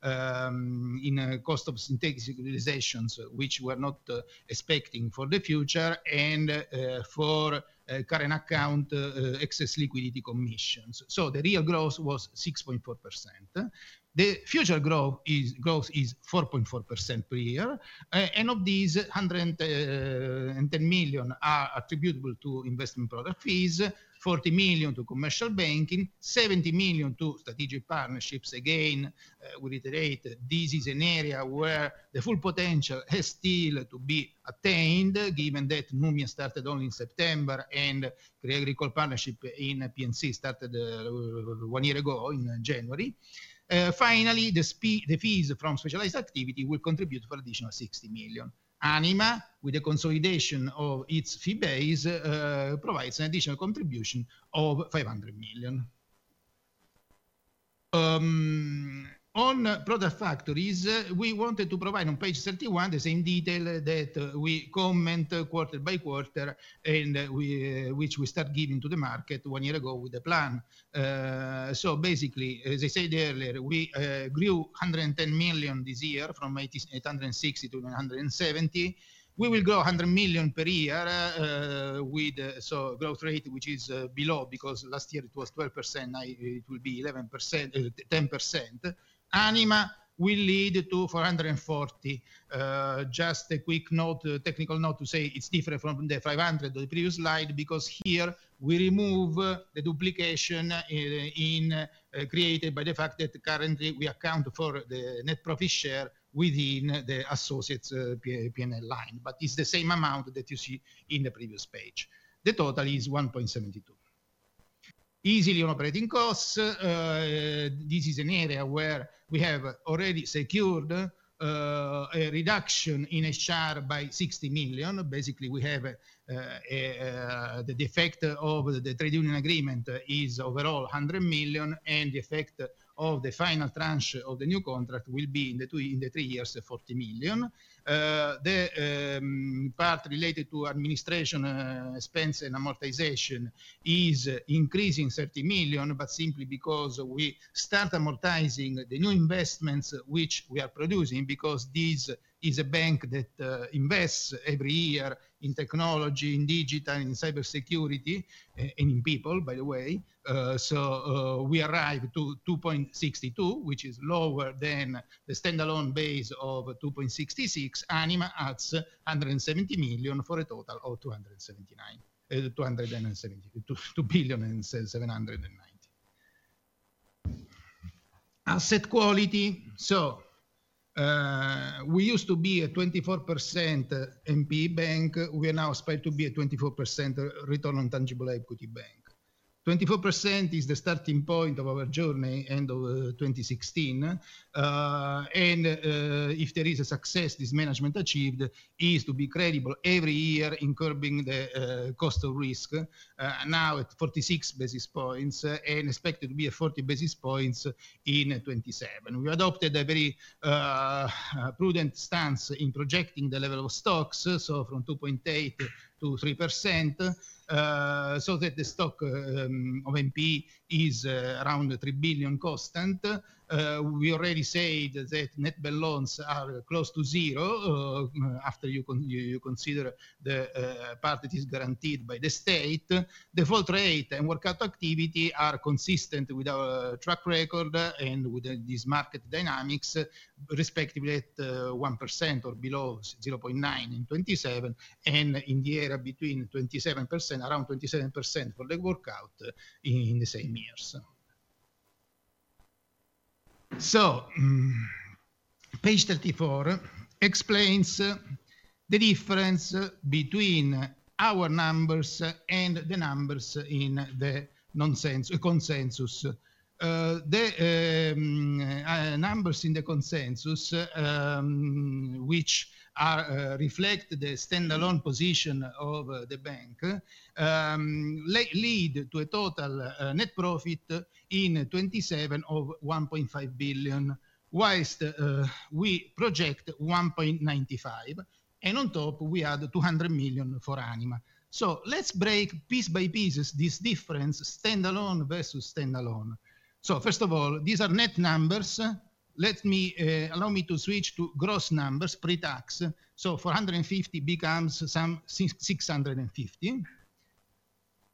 cost of synthetic utilizations, which we are not expecting for the future, and for current account excess liquidity commissions. So the real growth was 6.4%. The future growth is 4.4% per year. And of these 110 million are attributable to investment product fees, 40 million to commercial banking, 70 million to strategic partnerships. Again, we reiterate, this is an area where the full potential has still to be attained, given that Numia started only in September and Crédit Agricole partnership in P&C started one year ago in January. Finally, the fees from specialized activity will contribute for additional 60 million. Anima, with the consolidation of its fee base, provides an additional contribution of 500 million. On product factories, we wanted to provide on page 31 the same detail that we comment quarter by quarter, and which we start giving to the market one year ago with the plan. So basically, as I said earlier, we grew 110 million this year from 860 million to 170 million. We will grow 100 million per year with growth rate, which is below because last year it was 12%. It will be 11%, 10%. Anima will lead to 440 million. Just a quick note, technical note to say it's different from the 500 on the previous slide because here we remove the duplication created by the fact that currently we account for the net profit share within the associates P&L line, but it's the same amount that you see in the previous page. The total is 1.72 billion. Lastly on operating costs, this is an area where we have already secured a reduction in HR by 60 million. Basically, we have the effect of the trade union agreement is overall 100 million, and the effect of the final tranche of the new contract will be in the three years, 40 million. The part related to administration expense and amortization is increasing 30 million, but simply because we start amortizing the new investments which we are producing because this is a bank that invests every year in technology, in digital, in cybersecurity, and in people, by the way. So we arrive to 2.62, which is lower than the standalone base of 2.66. Anima adds 170 million for a total of 279, 272 billion and 790. Asset quality, so we used to be a 24% NPE bank. We are now expected to be a 24% return on tangible equity bank. 24% is the starting point of our journey, end of 2016. And if there is a success, this management achieved is to be credible every year incurring the cost of risk now at 46 basis points and expected to be at 40 basis points in 2027. We adopted a very prudent stance in projecting the level of stock, so from 2.8%-3%, so that the stock of NPE is around 3 billion constant. We already said that net loans are close to zero after you consider the part that is guaranteed by the state. The default rate and workout activity are consistent with our track record and with these market dynamics, respectively at 1% or below 0.9% in 2027 and in the area between 27%, around 27% for the workout in the same years. So page 34 explains the difference between our numbers and the numbers in the consensus. The numbers in the consensus, which reflect the standalone position of the bank, lead to a total net profit in 2027 of 1.5 billion, while we project 1.95 billion. On top, we add 200 million for Anima. Let's break piece by pieces this difference, standalone versus standalone. First of all, these are net numbers. Let me allow me to switch to gross numbers pre-tax. So 450 becomes some 650.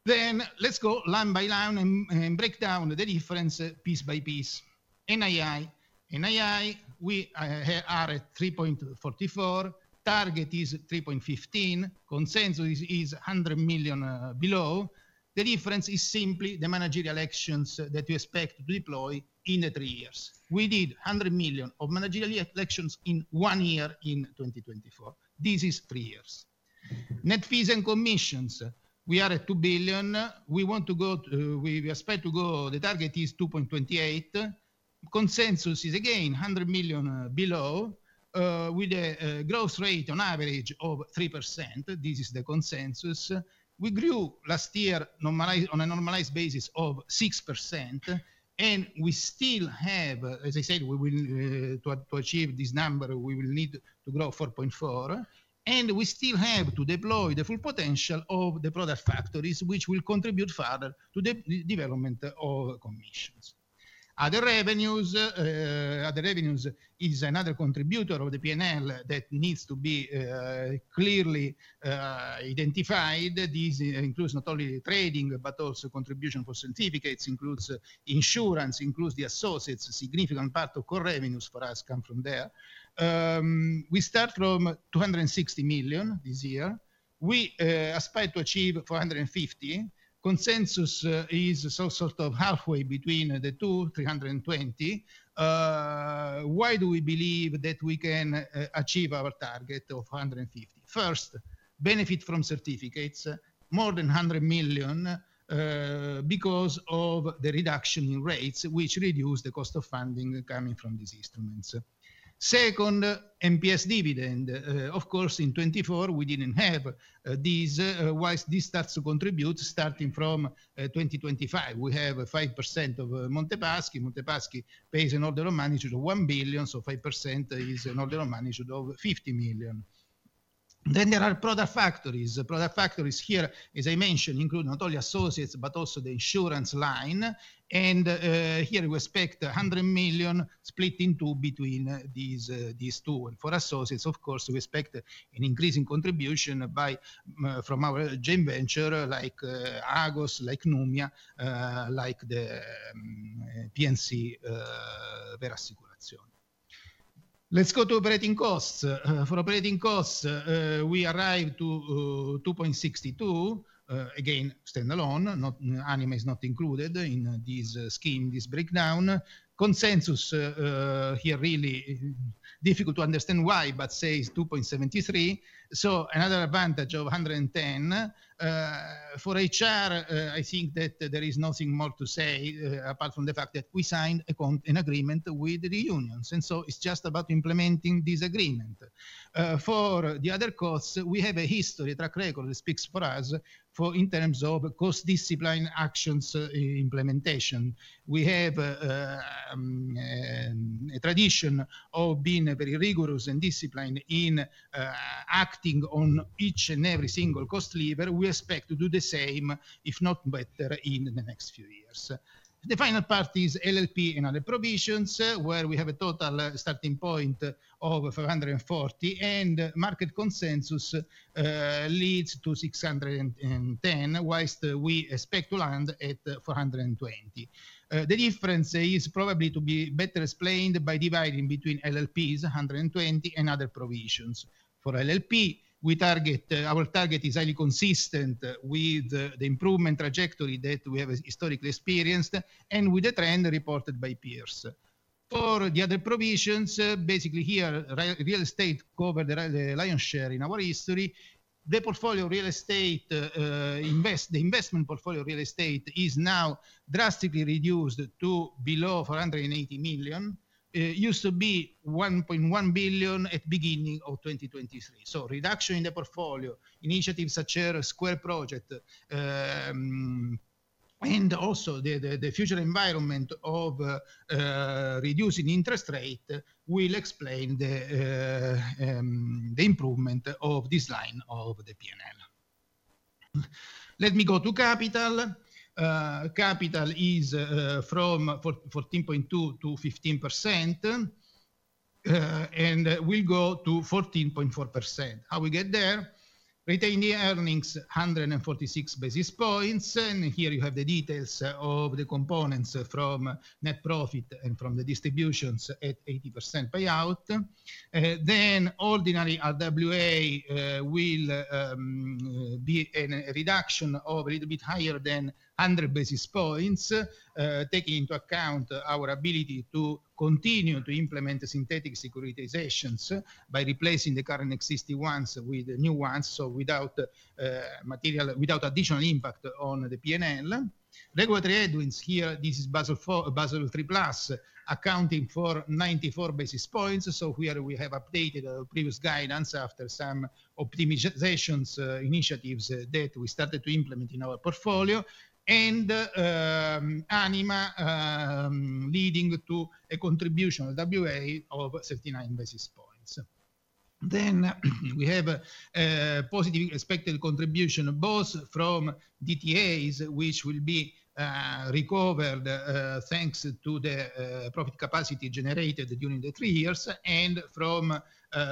Then let's go line by line and break down the difference piece by piece. NII, NII, we are at 3.44 billion. Target is 3.15 billion. Consensus is 100 million below. The difference is simply the managerial actions that we expect to deploy in the three years. We did 100 million of managerial actions in one year in 2024. This is three years. Net fees and commissions, we are at 2 billion. We want to go, we expect to go, the target is 2.28. Consensus is again 100 million below with a growth rate on average of 3%. This is the consensus. We grew last year on a normalized basis of 6%, and we still have, as I said, to achieve this number, we will need to grow 4.4, and we still have to deploy the full potential of the product factories, which will contribute further to the development of commissions. Other revenues is another contributor of the P&L that needs to be clearly identified. This includes not only trading, but also contribution for certificates, includes insurance, includes the associates. Significant part of core revenues for us come from there. We start from 260 million this year. We aspire to achieve 450. Consensus is some sort of halfway between the two, 320. Why do we believe that we can achieve our target of 150? First, benefit from certificates, more than 100 million because of the reduction in rates, which reduced the cost of funding coming from these instruments. Second, MPS dividend. Of course, in 2024, we didn't have these, while this starts to contribute starting from 2025. We have 5% of Monte Paschi. Monte Paschi pays an order of magnitude of 1 billion, so 5% is an order of magnitude of 50 million. Then there are product factories. Product factories here, as I mentioned, include not only associates, but also the insurance line. And here we expect 100 million split in two between these two. And for associates, of course, we expect an increasing contribution from our joint venture like Agos, like Numia, like the P&C Vera Assicurazione. Let's go to operating costs. For operating costs, we arrive to 2.62. Again, standalone, Anima is not included in this scheme, this breakdown. Consensus here is really difficult to understand why, but says 2.73. So another advantage of 110. For HR, I think that there is nothing more to say apart from the fact that we signed an agreement with the unions, and so it's just about implementing this agreement. For the other costs, we have a history, track record that speaks for us in terms of cost discipline actions implementation. We have a tradition of being very rigorous and disciplined in acting on each and every single cost lever. We expect to do the same, if not better, in the next few years. The final part is LLP and other provisions where we have a total starting point of 540, and market consensus leads to 610, while we expect to land at 420. The difference is probably to be better explained by dividing between LLPs, 120 and other provisions. For LLP, our target is highly consistent with the improvement trajectory that we have historically experienced and with the trend reported by peers. For the other provisions, basically here, real estate covered the lion's share in our history. The portfolio real estate, the investment portfolio real estate is now drastically reduced to below 480 million. It used to be 1.1 billion at the beginning of 2023. So reduction in the portfolio, initiatives such as Square Project, and also the future environment of reducing interest rate will explain the improvement of this line of the P&L. Let me go to capital. Capital is from 14.2%-15%, and we'll go to 14.4%. How we get there? Retained earnings, 146 basis points. And here you have the details of the components from net profit and from the distributions at 80% payout. Then ordinary RWA will be a reduction of a little bit higher than 100 basis points, taking into account our ability to continue to implement synthetic securitizations by replacing the current existing ones with new ones, so without additional impact on the P&L. Regulatory headwinds here, this is Basel III Plus, accounting for 94 basis points. So here we have updated our previous guidance after some optimization initiatives that we started to implement in our portfolio. And Anima leading to a contribution of RWA of 39 basis points. Then we have positive expected contribution both from DTAs, which will be recovered thanks to the profit capacity generated during the three years, and from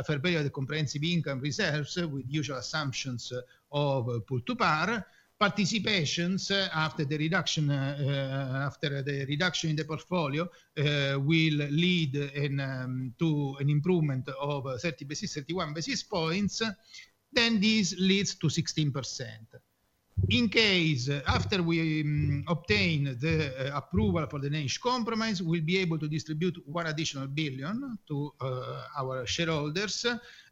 fair value of the comprehensive income reserves with usual assumptions of pull to par. Participations after the reduction in the portfolio will lead to an improvement of 30 basis points, 31 basis points. Then this leads to 16%. In case, after we obtain the approval for the Danish Compromise, we'll be able to distribute 1 billion to our shareholders,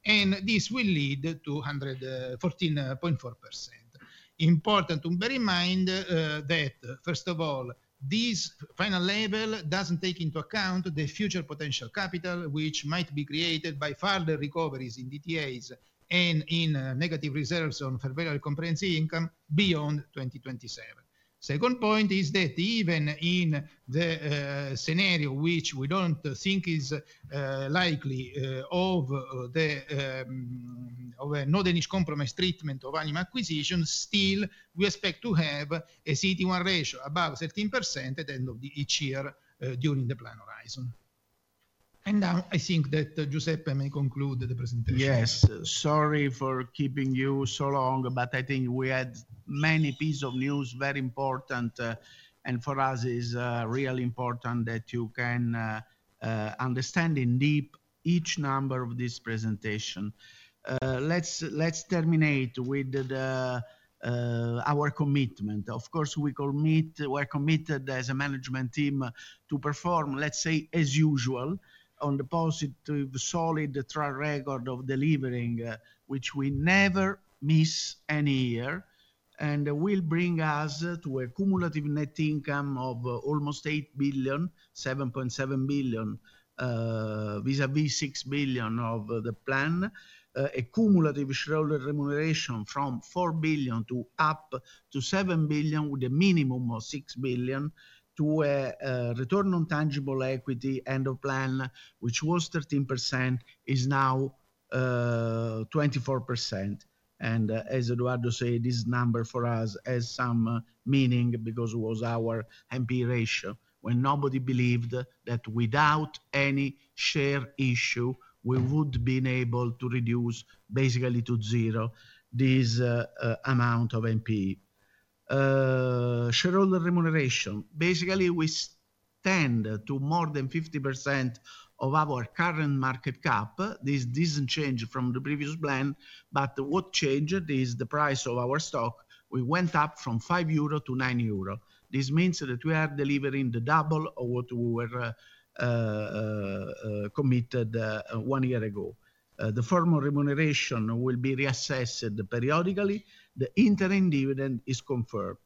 and this will lead to 114.4%. Important to bear in mind that, first of all, this final level doesn't take into account the future potential capital, which might be created by further recoveries in DTAs and in negative reserves on fair value comprehensive income beyond 2027. Second point is that even in the scenario, which we don't think is likely, of the non-Danish Compromise treatment of Anima acquisition, still we expect to have a CET1 ratio above 13% at the end of each year during the plan horizon. And now I think that Giuseppe may conclude the presentation. Yes. Sorry for keeping you so long, but I think we had many pieces of news, very important, and for us is really important that you can understand in depth each number of this presentation. Let's terminate with our commitment. Of course, we are committed as a management team to perform, let's say, as usual, on the positive solid track record of delivering, which we never miss any year, and will bring us to a cumulative net income of almost 8 billion, 7.7 billion vis-à-vis 6 billion of the plan, a cumulative shareholder remuneration from 4 billion to up to 7 billion with a minimum of 6 billion to a return on tangible equity end of plan, which was 13%, is now 24%. And as Edoardo said, this number for us has some meaning because it was our NPE ratio when nobody believed that without any share issue, we would have been able to reduce basically to zero this amount of NPE. Shareholder remuneration, basically we stand to more than 50% of our current market cap. This doesn't change from the previous plan, but what changed is the price of our stock. We went up from 5 euro to 9 euro. This means that we are delivering the double of what we were committed one year ago. The formal remuneration will be reassessed periodically. The interim dividend is confirmed.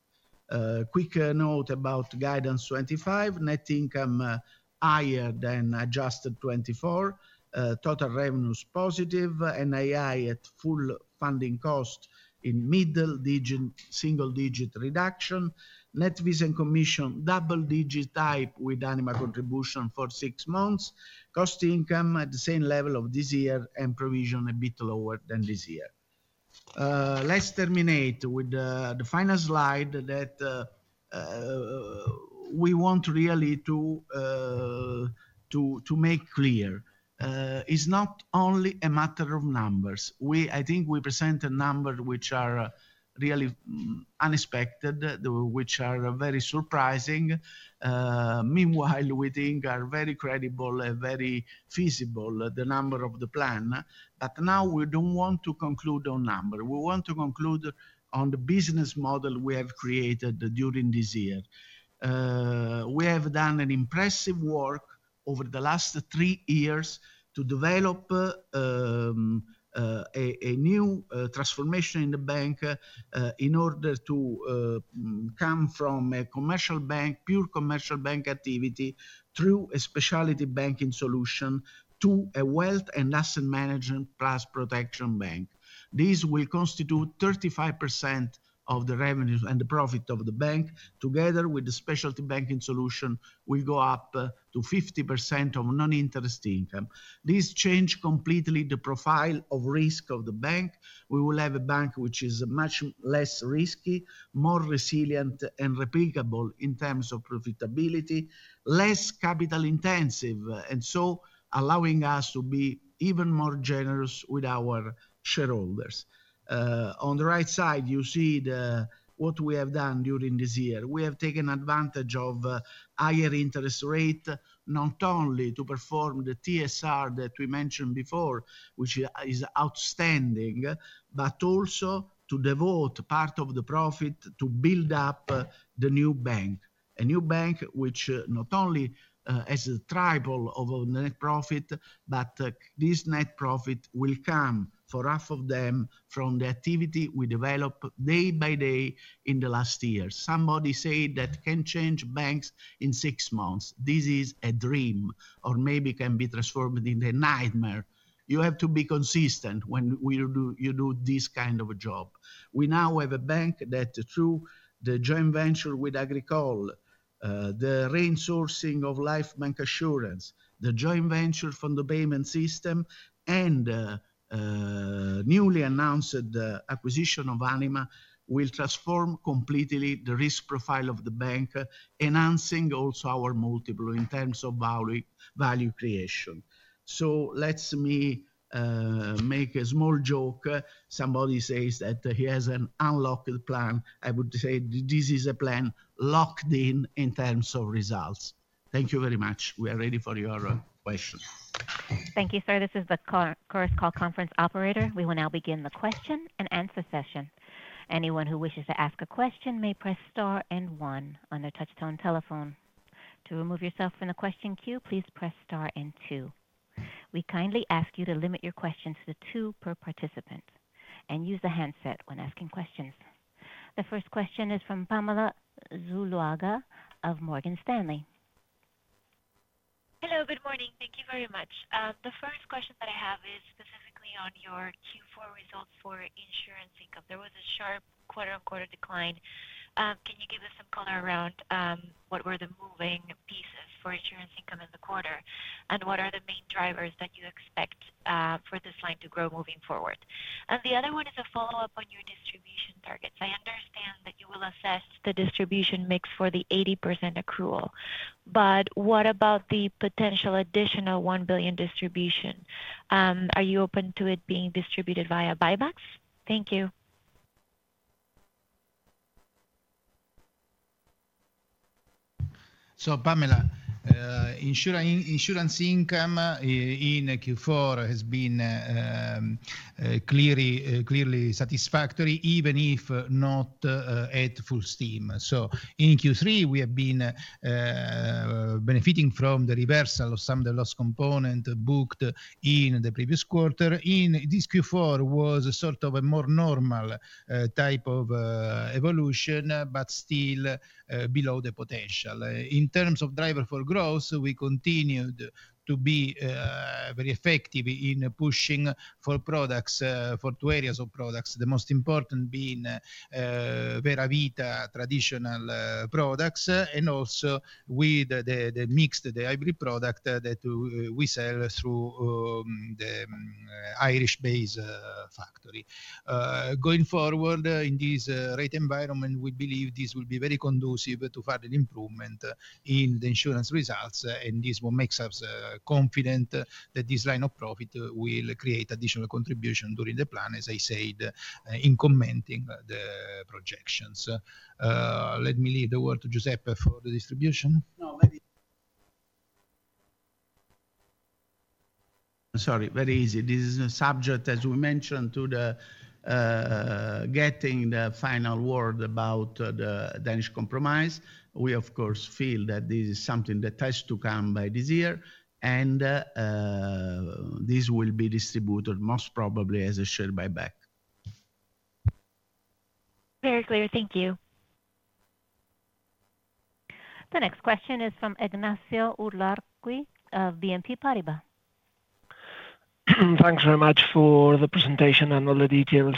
Quick note about guidance 2025, net income higher than adjusted 2024, total revenues positive, NII at full funding cost in middle digit, single digit reduction, net fees and commissions double digit type with Anima contribution for six months, cost income at the same level of this year and provision a bit lower than this year. Let's terminate with the final slide that we want really to make clear. It's not only a matter of numbers. I think we present a number which are really unexpected, which are very surprising. Meanwhile, we think are very credible and very feasible, the number of the plan. But now we don't want to conclude on numbers. We want to conclude on the business model we have created during this year. We have done an impressive work over the last three years to develop a new transformation in the bank in order to come from a commercial bank, pure commercial bank activity through a specialty banking solution to a wealth and asset management plus protection bank. This will constitute 35% of the revenues and the profit of the bank. Together with the specialty banking solution, we go up to 50% of non-interest income. This changed completely the profile of risk of the bank. We will have a bank which is much less risky, more resilient, and replicable in terms of profitability, less capital intensive, and so allowing us to be even more generous with our shareholders. On the right side, you see what we have done during this year. We have taken advantage of higher interest rate, not only to perform the TSR that we mentioned before, which is outstanding, but also to devote part of the profit to build up the new bank. A new bank which not only has a triple of net profit, but this net profit will come for half of them from the activity we develop day by day in the last year. Somebody said that can change banks in six months. This is a dream or maybe can be transformed into a nightmare. You have to be consistent when you do this kind of a job. We now have a bank that through the joint venture with Agricole, the reinsourcing of life bancassurance, the joint venture from the payment system, and the newly announced acquisition of Anima will transform completely the risk profile of the bank, enhancing also our multiple in terms of value creation. So let me make a small joke. Somebody says that he has an unlocked plan. I would say this is a plan locked in in terms of results. Thank you very much. We are ready for your question. Thank you, sir. This is the Chorus Call conference operator. We will now begin the question and answer session. Anyone who wishes to ask a question may press star and one on their touch-tone telephone. To remove yourself from the question queue, please press star and two. We kindly ask you to limit your questions to two per participant and use the handset when asking questions. The first question is from Pamela Zuluaga of Morgan Stanley. Hello, good morning. Thank you very much. The first question that I have is specifically on your Q4 results for insurance income. There was a sharp "decline." Can you give us some color around what were the moving pieces for insurance income in the quarter? And what are the main drivers that you expect for this line to grow moving forward? And the other one is a follow-up on your distribution targets. I understand that you will assess the distribution mix for the 80% accrual, but what about the potential additional 1 billion distribution? Are you open to it being distributed via buybacks? Thank you. So Pamela, insurance income in Q4 has been clearly satisfactory, even if not at full steam. So in Q3, we have been benefiting from the reversal of some of the loss component booked in the previous quarter. In this Q4, it was sort of a more normal type of evolution, but still below the potential. In terms of driver for growth, we continued to be very effective in pushing for products for two areas of products, the most important being Vera Vita traditional products and also with the mixed, the hybrid product that we sell through the Irish-based factory. Going forward in this rate environment, we believe this will be very conducive to further improvement in the insurance results, and this will make us confident that this line of profit will create additional contribution during the plan, as I said in commenting the projections. Let me leave the word to Giuseppe for the distribution. No, maybe. Sorry, very easy. This is a subject, as we mentioned, to getting the final word about the Danish Compromise. We, of course, feel that this is something that has to come by this year, and this will be distributed most probably as a share buyback. Very clear. Thank you. The next question is from Ignacio Ulargui of BNP Paribas. Thanks very much for the presentation and all the details.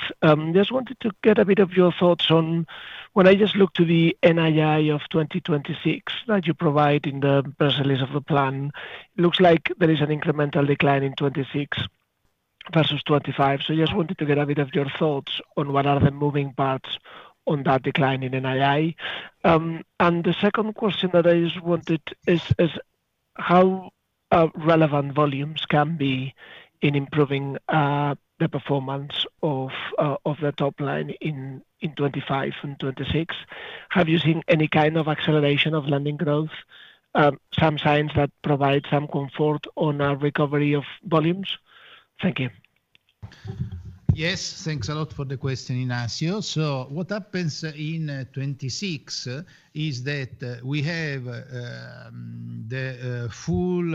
Just wanted to get a bit of your thoughts on when I just looked to the NII of 2026 that you provide in the presentation of the plan, it looks like there is an incremental decline in 26 versus 25. So I just wanted to get a bit of your thoughts on what are the moving parts on that decline in NII. The second question that I just wanted is how relevant volumes can be in improving the performance of the top line in 2025 and 2026. Have you seen any kind of acceleration of lending growth? Some signs that provide some comfort on our recovery of volumes. Thank you. Yes, thanks a lot for the question, Ignacio. What happens in 2026 is that we have the full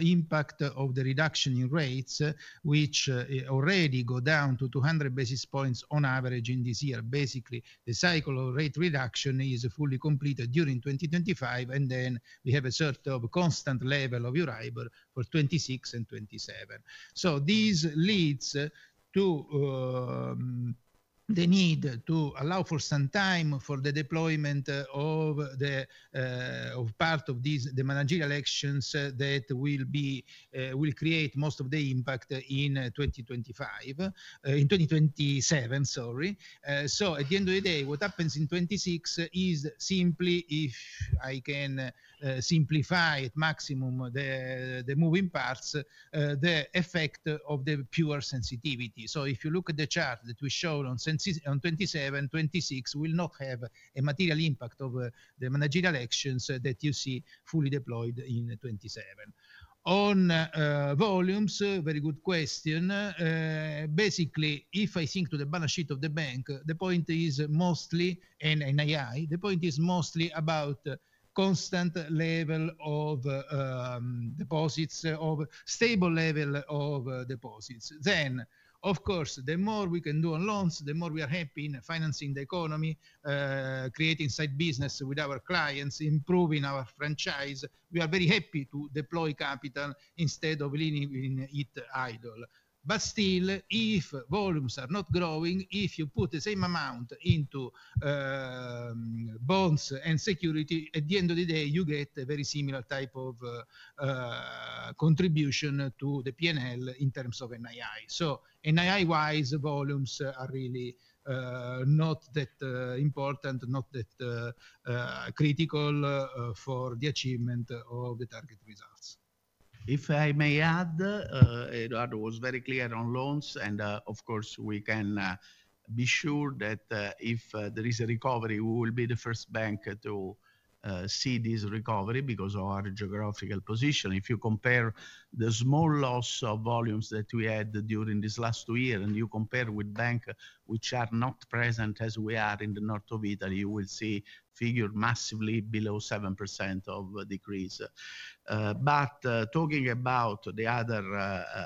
impact of the reduction in rates, which already go down to 200 basis points on average in this year. Basically, the cycle of rate reduction is fully completed during 2025, and then we have a sort of constant level of variable for 2026 and 2027. This leads to the need to allow for some time for the deployment of part of the managerial actions that will create most of the impact in 2025, in 2027, sorry. At the end of the day, what happens in 2026 is simply, if I can simplify at maximum the moving parts, the effect of the pure sensitivity. If you look at the chart that we showed on 2027, 2026 will not have a material impact of the managerial actions that you see fully deployed in 2027. On volumes, very good question. Basically, if I think to the balance sheet of the bank, the point is mostly, and NII, the point is mostly about constant level of deposits, of stable level of deposits. Then, of course, the more we can do on loans, the more we are happy in financing the economy, creating side business with our clients, improving our franchise. We are very happy to deploy capital instead of leaving it idle. But still, if volumes are not growing, if you put the same amount into bonds and security, at the end of the day, you get a very similar type of contribution to the P&L in terms of NII. So NII-wise, volumes are really not that important, not that critical for the achievement of the target results. If I may add, Edoardo was very clear on loans, and of course, we can be sure that if there is a recovery, we will be the first bank to see this recovery because of our geographical position. If you compare the small loss of volumes that we had during this last two years and you compare with banks which are not present as we are in the north of Italy, you will see figure massively below 7% of decrease. But talking about the other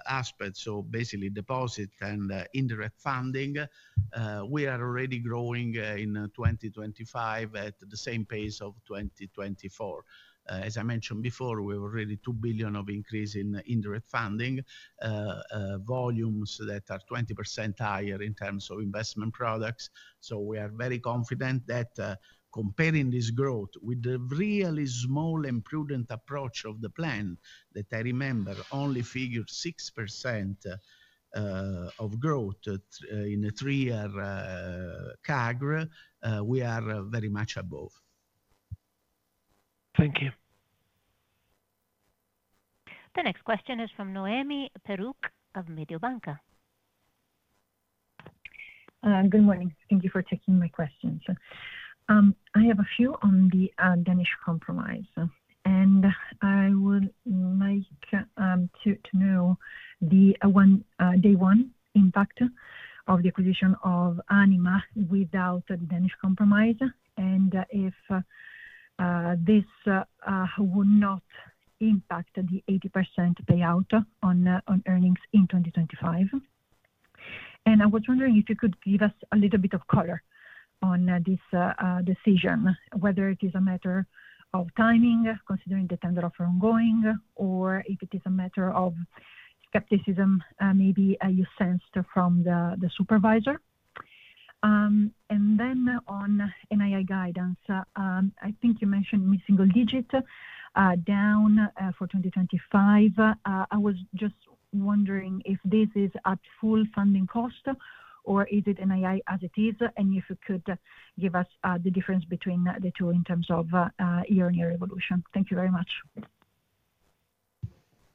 aspects, so basically deposit and indirect funding, we are already growing in 2025 at the same pace of 2024. As I mentioned before, we have already 2 billion of increase in indirect funding volumes that are 20% higher in terms of investment products. So we are very confident that comparing this growth with the really small and prudent approach of the plan that I remember only figured 6% of growth in a three-year CAGR, we are very much above. Thank you. The next question is from Noemi Peruch of Mediobanca. Good morning. Thank you for taking my questions. I have a few on the Danish Compromise, and I would like to know the day one impact of the acquisition of Anima without the Danish Compromise and if this will not impact the 80% payout on earnings in 2025. And I was wondering if you could give us a little bit of color on this decision, whether it is a matter of timing considering the tender offer ongoing or if it is a matter of skepticism maybe you sensed from the supervisor. And then on NII guidance, I think you mentioned mid-single digit down for 2025. I was just wondering if this is at full funding cost or is it NII as it is and if you could give us the difference between the two in terms of year-on-year evolution. Thank you very much.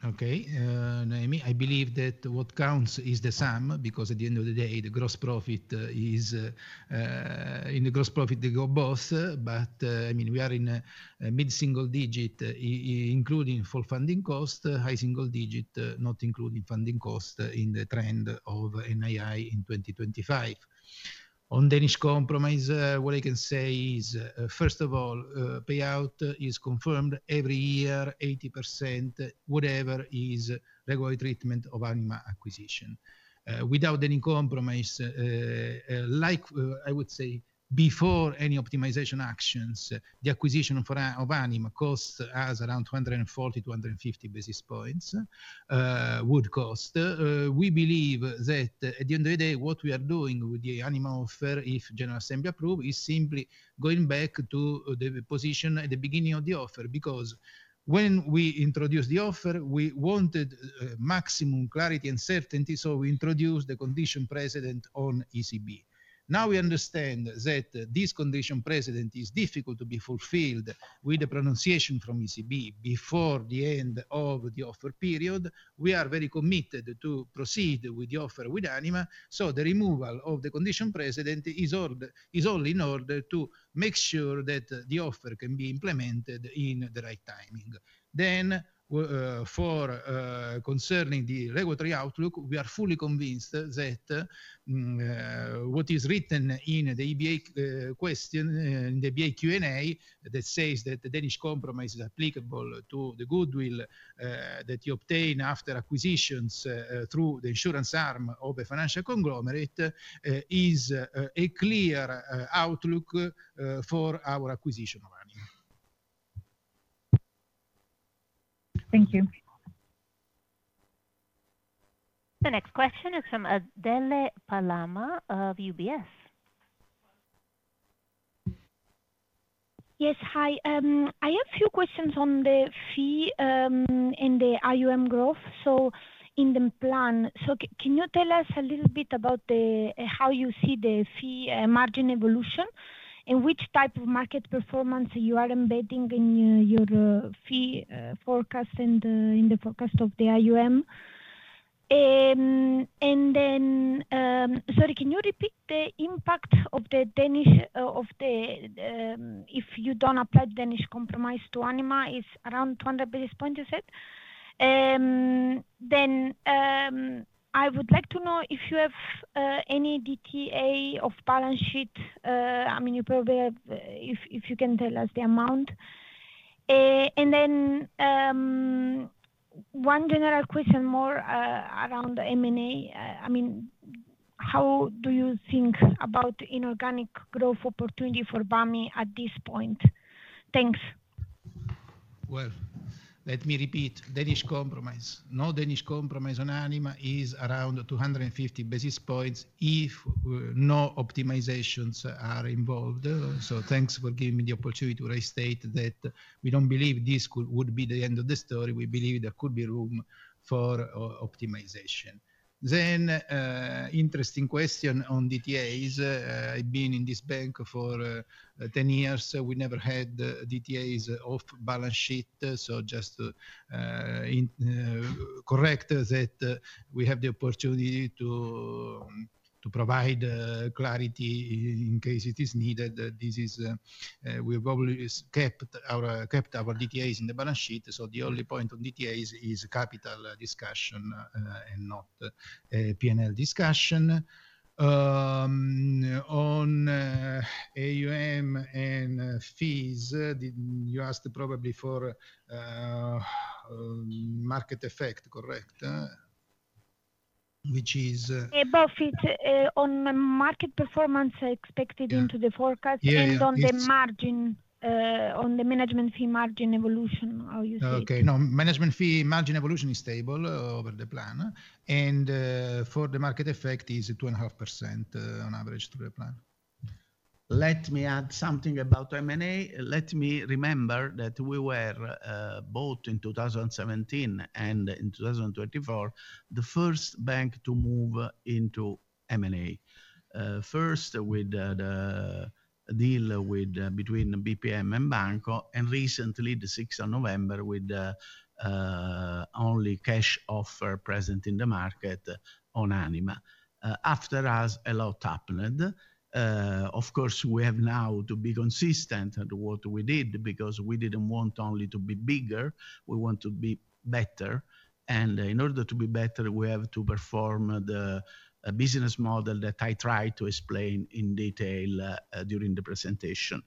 Okay. Noemi, I believe that what counts is the sum because at the end of the day, the gross profit is in the gross profit, they go both, but I mean, we are in mid-single digit, including full funding cost, high single digit, not including funding cost in the trend of NII in 2025. On Danish Compromise, what I can say is, first of all, payout is confirmed every year, 80%, whatever is regular treatment of Anima acquisition. Without any compromise, like I would say before any optimization actions, the acquisition of Anima costs us around 240-250 basis points would cost. We believe that at the end of the day, what we are doing with the Anima offer, if General Assembly approve, is simply going back to the position at the beginning of the offer because when we introduced the offer, we wanted maximum clarity and certainty, so we introduced the condition precedent on ECB. Now we understand that this condition precedent is difficult to be fulfilled with the pronouncement from ECB before the end of the offer period. We are very committed to proceed with the offer with Anima, so the removal of the condition precedent is only in order to make sure that the offer can be implemented in the right timing. Then, concerning the regulatory outlook, we are fully convinced that what is written in the EBA question, in the EBA Q&A, that says that the Danish Compromise is applicable to the goodwill that you obtain after acquisitions through the insurance arm of a financial conglomerate is a clear outlook for our acquisition of Anima. Thank you. The next question is from Adele Palama of UBS. Yes, hi. I have a few questions on the fee and the AUM growth. So in the plan, can you tell us a little bit about how you see the fee margin evolution and which type of market performance you are embedding in your fee forecast and in the forecast of the AUM? And then, sorry, can you repeat the impact of the Danish Compromise if you don't apply Danish Compromise to Anima? It is around 200 basis points, you said? Then I would like to know if you have any DTA of balance sheet. I mean, if you can tell us the amount. And then one general question more around M&A. I mean, how do you think about inorganic growth opportunity for BAMI at this point? Thanks. Well, let me repeat. Danish Compromise. No Danish Compromise on Anima is around 250 basis points if no optimizations are involved. So thanks for giving me the opportunity to restate that we don't believe this would be the end of the story. We believe there could be room for optimization. Then interesting question on DTAs. I've been in this bank for 10 years. We never had DTAs off balance sheet. So just correct that we have the opportunity to provide clarity in case it is needed. We have always kept our DTAs in the balance sheet. So the only point on DTAs is capital discussion and not P&L discussion. On AUM and fees, you asked probably for market effect, correct? Which is. Above it on market performance expected into the forecast and on the margin, on the management fee margin evolution, how you see it? Okay. No, management fee margin evolution is stable over the plan. And for the market effect, it is 2.5% on average through the plan. Let me add something about M&A. Let me remember that we were both in 2017 and in 2024 the first bank to move into M&A. First with the deal between BPM and Banco, and recently, the 6th of November, with only cash offer present in the market on Anima. After us, a lot happened. Of course, we have now to be consistent at what we did because we didn't want only to be bigger. We want to be better. And in order to be better, we have to perform the business model that I tried to explain in detail during the presentation.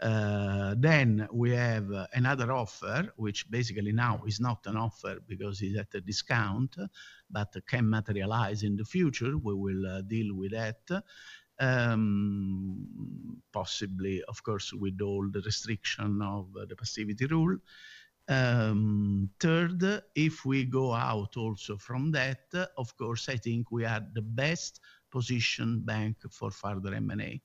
Then we have another offer, which basically now is not an offer because it's at a discount, but can materialize in the future. We will deal with that. Possibly, of course, with all the restriction of the passivity rule. Third, if we go out also from that, of course, I think we are the best positioned bank for further M&A.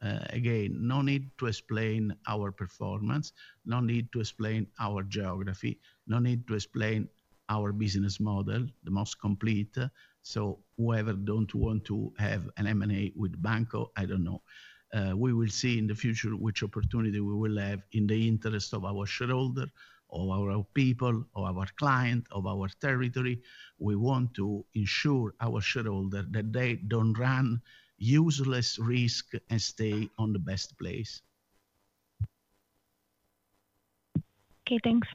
Again, no need to explain our performance, no need to explain our geography, no need to explain our business model, the most complete. So whoever doesn't want to have an M&A with Banco, I don't know. We will see in the future which opportunity we will have in the interest of our shareholder, of our people, of our client, of our territory. We want to ensure our shareholder that they don't run useless risk and stay in the best place. Okay, thanks.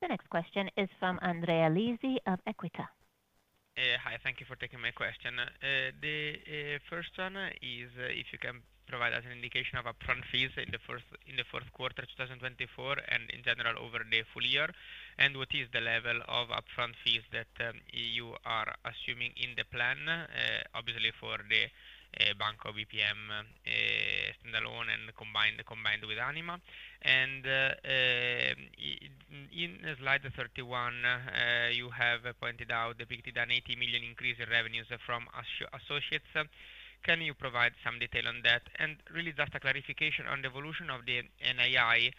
The next question is from Andrea Lisi of Equita. Hi, thank you for taking my question. The first one is if you can provide us an indication of upfront fees in the fourth quarter of 2024 and in general over the full year. What is the level of upfront fees that you are assuming in the plan, obviously for the Banco BPM standalone and combined with Anima? And in slide 31, you have pointed out the €50 million-€80 million increase in revenues from associates. Can you provide some detail on that? And really just a clarification on the evolution of the NII.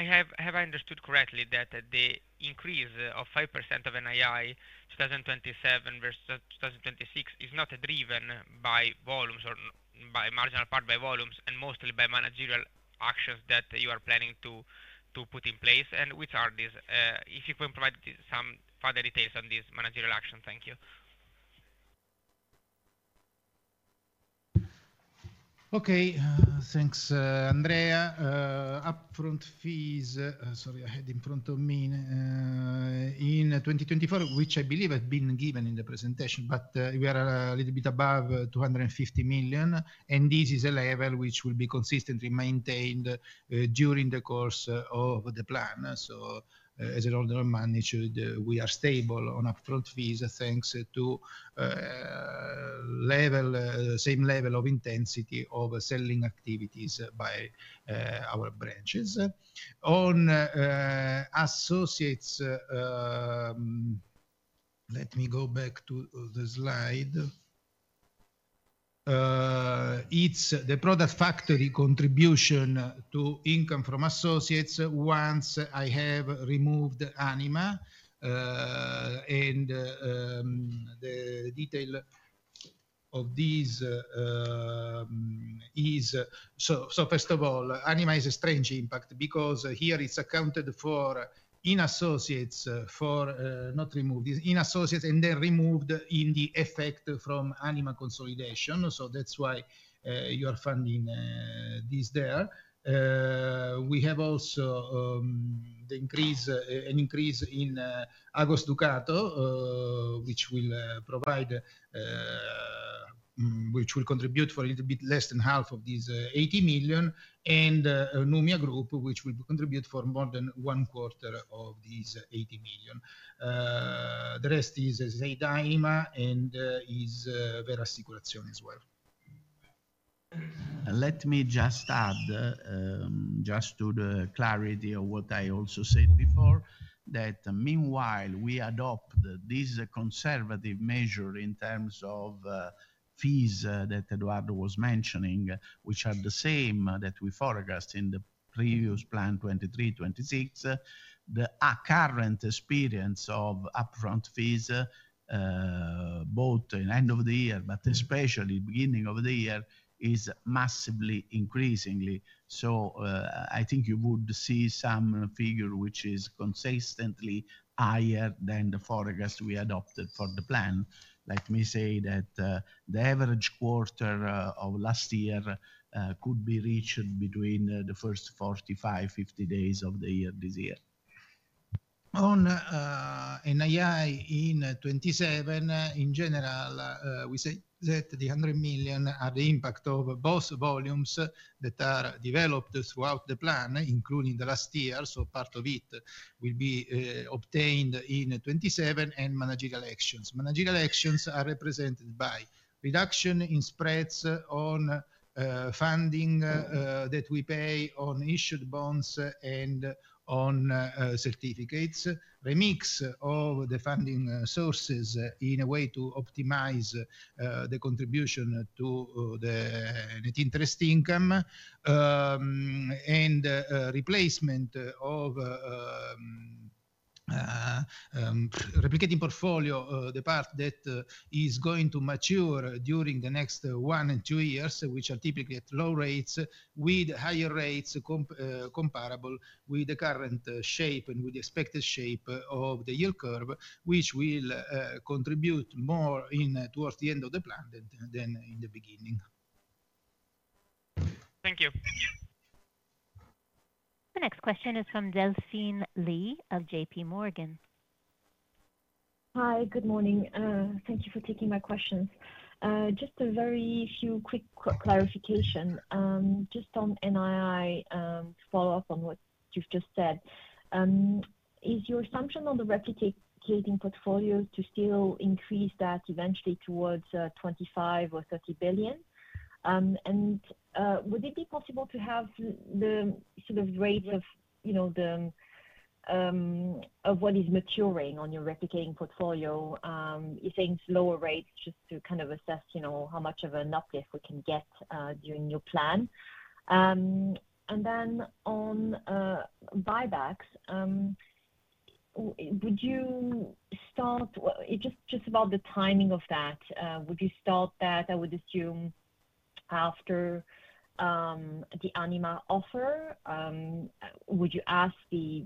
Have I understood correctly that the increase of 5% of NII 2027 versus 2026 is not driven by volumes or by a marginal part by volumes and mostly by managerial actions that you are planning to put in place? And which are these? If you can provide some further details on these managerial actions, thank you. Okay, thanks, Andrea. Upfront fees, sorry, I had in front of me in 2024, which I believe have been given in the presentation, but we are a little bit above €250 million. And this is a level which will be consistently maintained during the course of the plan. So as an ordinary manner, we are stable on upfront fees thanks to the same level of intensity of selling activities by our branches. On associates, let me go back to the slide. It's the product factory contribution to income from associates once I have removed Anima. And the detail of this is, so first of all, Anima is a strong impact because here it's accounted for in associates and not removed in associates and then removed in the effect from Anima consolidation. So that's why you are finding this there. We have also the increase in Agos Ducato, which will contribute for a little bit less than half of these 80 million, and Numia Group, which will contribute for more than one quarter of these 80 million. The rest is said Anima and is Vera Assicurazioni as well. Let me just add, just to the clarity of what I also said before, that meanwhile we adopt this conservative measure in terms of fees that Edoardo was mentioning, which are the same that we forecast in the previous plan 2023-2026. The current experience of upfront fees, both in the end of the year, but especially the beginning of the year, is massively increasing. So I think you would see some figure which is consistently higher than the forecast we adopted for the plan. Let me say that the average quarter of last year could be reached between the first 45-50 days of the year this year. On NII in 2027, in general, we said that the 100 million are the impact of both volumes that are developed throughout the plan, including the last year. So part of it will be obtained in 2027 and managerial actions. Managerial actions are represented by reduction in spreads on funding that we pay on issued bonds and on certificates, remix of the funding sources in a way to optimize the contribution to the interest income, and replacement of replicating portfolio, the part that is going to mature during the next one and two years, which are typically at low rates with higher rates comparable with the current shape and with the expected shape of the yield curve, which will contribute more towards the end of the plan than in the beginning. Thank you. The next question is from Delphine Lee of J.P. Morgan. Hi, good morning. Thank you for taking my questions. Just a very few quick clarifications. Just on NII, to follow up on what you've just said, is your assumption on the replicating portfolio to still increase that eventually towards €25 billion or €30 billion? And would it be possible to have the sort of rate of what is maturing on your replicating portfolio? You're saying it's lower rates just to kind of assess how much of an uplift we can get during your plan. And then on buybacks, would you start just about the timing of that? Would you start that, I would assume, after the Anima offer? Would you ask the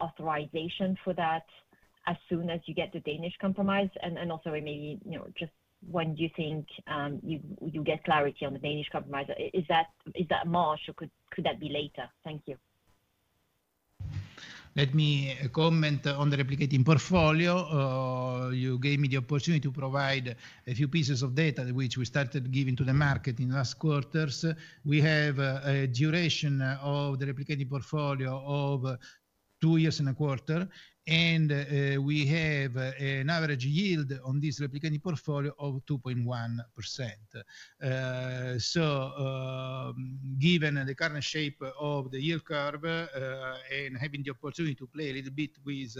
authorization for that as soon as you get the Danish Compromise? And also, maybe just when do you think you get clarity on the Danish Compromise? Is that March or could that be later? Thank you. Let me comment on the replicating portfolio. You gave me the opportunity to provide a few pieces of data which we started giving to the market in last quarters. We have a duration of the replicating portfolio of two years and a quarter. And we have an average yield on this replicating portfolio of 2.1%. So given the current shape of the yield curve and having the opportunity to play a little bit with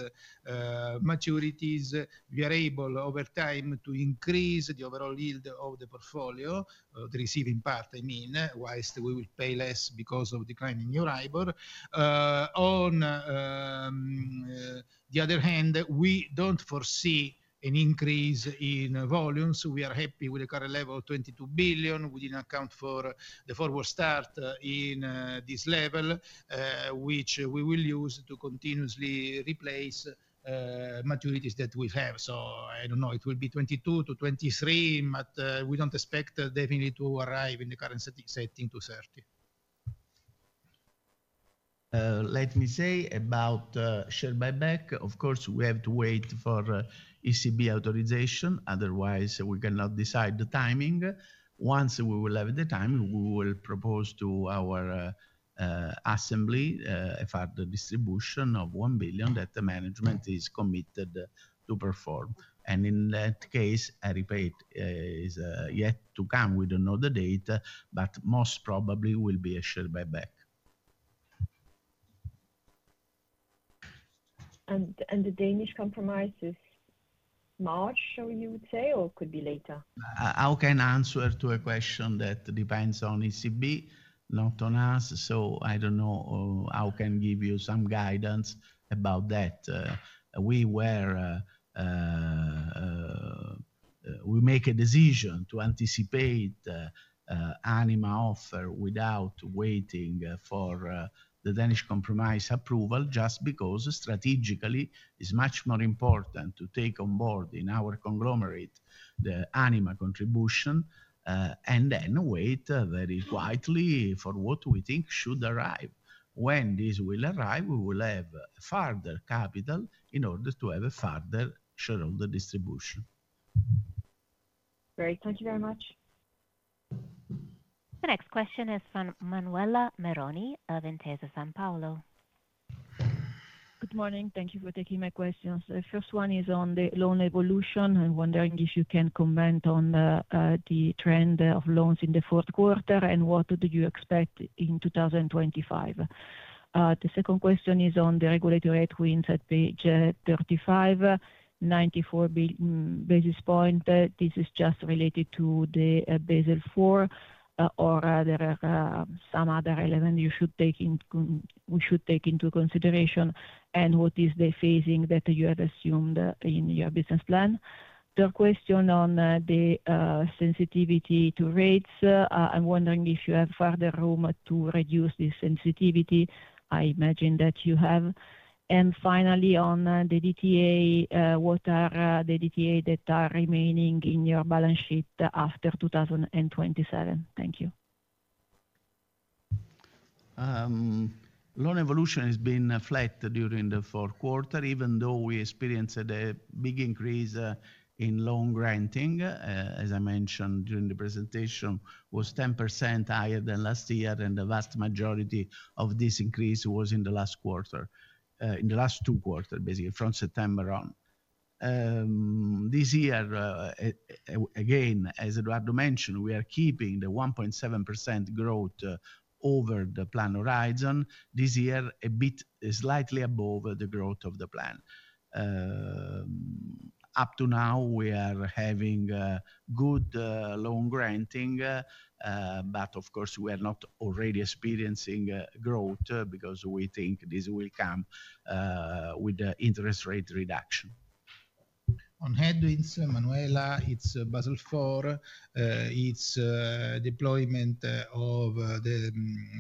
maturities, we are able over time to increase the overall yield of the portfolio, the receiving part, I mean, whilst we will pay less because of declining new arrivals. On the other hand, we don't foresee an increase in volumes. We are happy with the current level of 22 billion. We didn't account for the forward start in this level, which we will use to continuously replace maturities that we have. So, I don't know, it will be 22 to 23, but we don't expect definitely to arrive in the current setting to 30. Let me say about share buyback. Of course, we have to wait for ECB authorization. Otherwise, we cannot decide the timing. Once we will have the time, we will propose to our assembly a further distribution of 1 billion that the management is committed to perform. And in that case, I repeat, it is yet to come. We don't know the date, but most probably will be a share buyback. And the Danish Compromise is March, you would say, or could be later? How can I answer to a question that depends on ECB, not on us? So, I don't know how I can give you some guidance about that. We make a decision to anticipate Anima offer without waiting for the Danish Compromise approval, just because strategically it is much more important to take on board in our conglomerate the Anima contribution, and then wait very quietly for what we think should arrive. When this will arrive, we will have further capital in order to have a further shareholder distribution. Great. Thank you very much. The next question is from Manuela Meroni of Intesa Sanpaolo. Good morning. Thank you for taking my questions. The first one is on the loan evolution. I'm wondering if you can comment on the trend of loans in the fourth quarter and what do you expect in 2025. The second question is on the regulatory headwinds at page 35, 94 basis points. This is just related to the Basel IV or some other element you should take into consideration and what is the phasing that you have assumed in your business plan. The question on the sensitivity to rates. I'm wondering if you have further room to reduce this sensitivity. I imagine that you have. And finally, on the DTA, what are the DTA that are remaining in your balance sheet after 2027? Thank you. Loan evolution has been flat during the fourth quarter, even though we experienced a big increase in loan granting. As I mentioned during the presentation, it was 10% higher than last year, and the vast majority of this increase was in the last quarter, in the last two quarters, basically from September on. This year, again, as Edoardo mentioned, we are keeping the 1.7% growth over the plan horizon. This year, a bit slightly above the growth of the plan. Up to now, we are having good loan granting, but of course, we are not already experiencing growth because we think this will come with the interest rate reduction. On headwinds, Manuela, it's Basel IV. It's deployment of the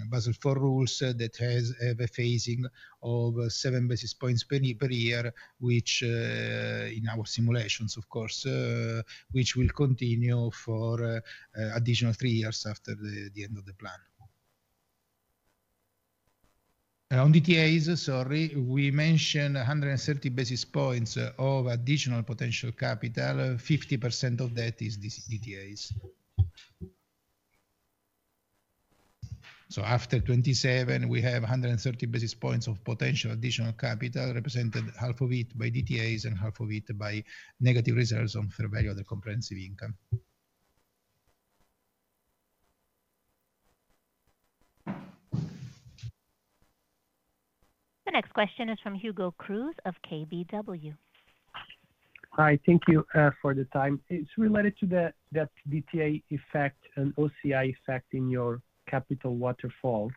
Basel IV rules that has a phasing of seven basis points per year, which in our simulations, of course, which will continue for additional three years after the end of the plan. On DTAs, sorry, we mentioned 130 basis points of additional potential capital. 50% of that is DTAs. So after 27, we have 130 basis points of potential additional capital, represented half of it by DTAs and half of it by negative results on Other Comprehensive Income. The next question is from Hugo Cruz of KBW. Hi, thank you for the time. It's related to that DTA effect and OCI effect in your capital waterfall.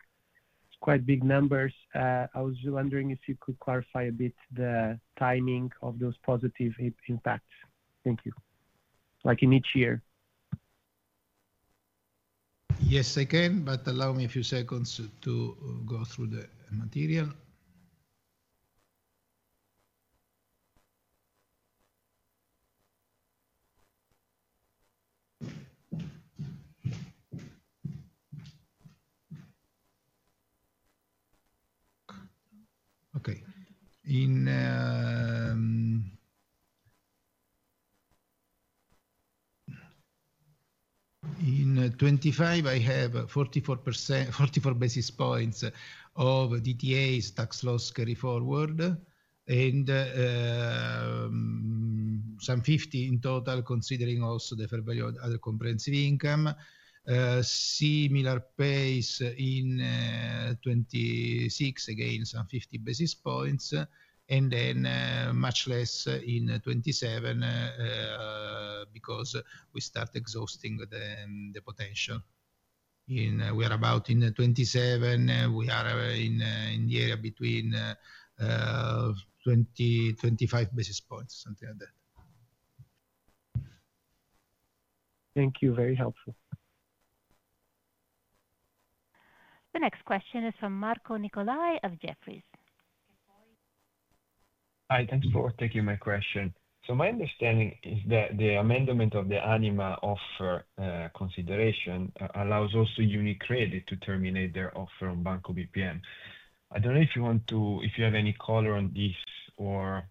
It's quite big numbers. I was wondering if you could clarify a bit the timing of those positive impacts. Thank you. Like in each year. Yes, I can, but allow me a few seconds to go through the material. Okay. In 2025, I have 44 basis points of DTAs, tax loss carry forward, and some 50 in total, considering also the OCI, other comprehensive income. Similar pace in 2026, again, some 50 basis points, and then much less in 2027 because we start exhausting the potential. We are about in 2027. We are in the area between 20-25 basis points, something like that. Thank you. Very helpful. The next question is from Marco Nicolai of Jefferies. Hi, thanks for taking my question. So my understanding is that the amendment of the Anima offer consideration allows also UniCredit to terminate their offer on Banco BPM. I don't know if you want to, if you have any color on this or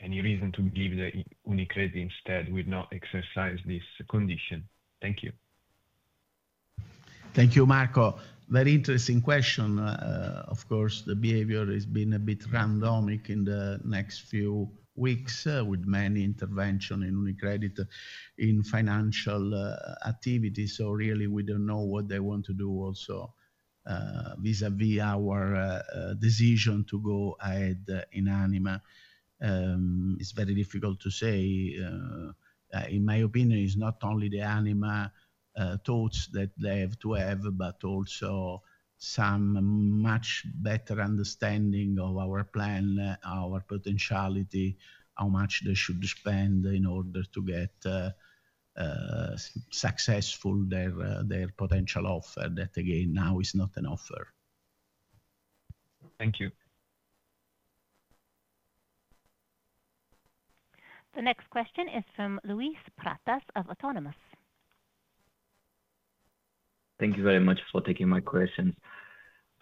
any reason to believe that UniCredit instead will not exercise this condition. Thank you. Thank you, Marco. Very interesting question. Of course, the behavior has been a bit erratic in the next few weeks with many interventions in UniCredit in financial activities. So really, we don't know what they want to do also vis-à-vis our decision to go ahead in Anima. It's very difficult to say. In my opinion, it's not only the Anima thoughts that they have to have, but also some much better understanding of our plan, our potentiality, how much they should spend in order to get successful their potential offer that, again, now is not an offer. Thank you. The next question is from Luis Pratas of Autonomous. Thank you very much for taking my questions.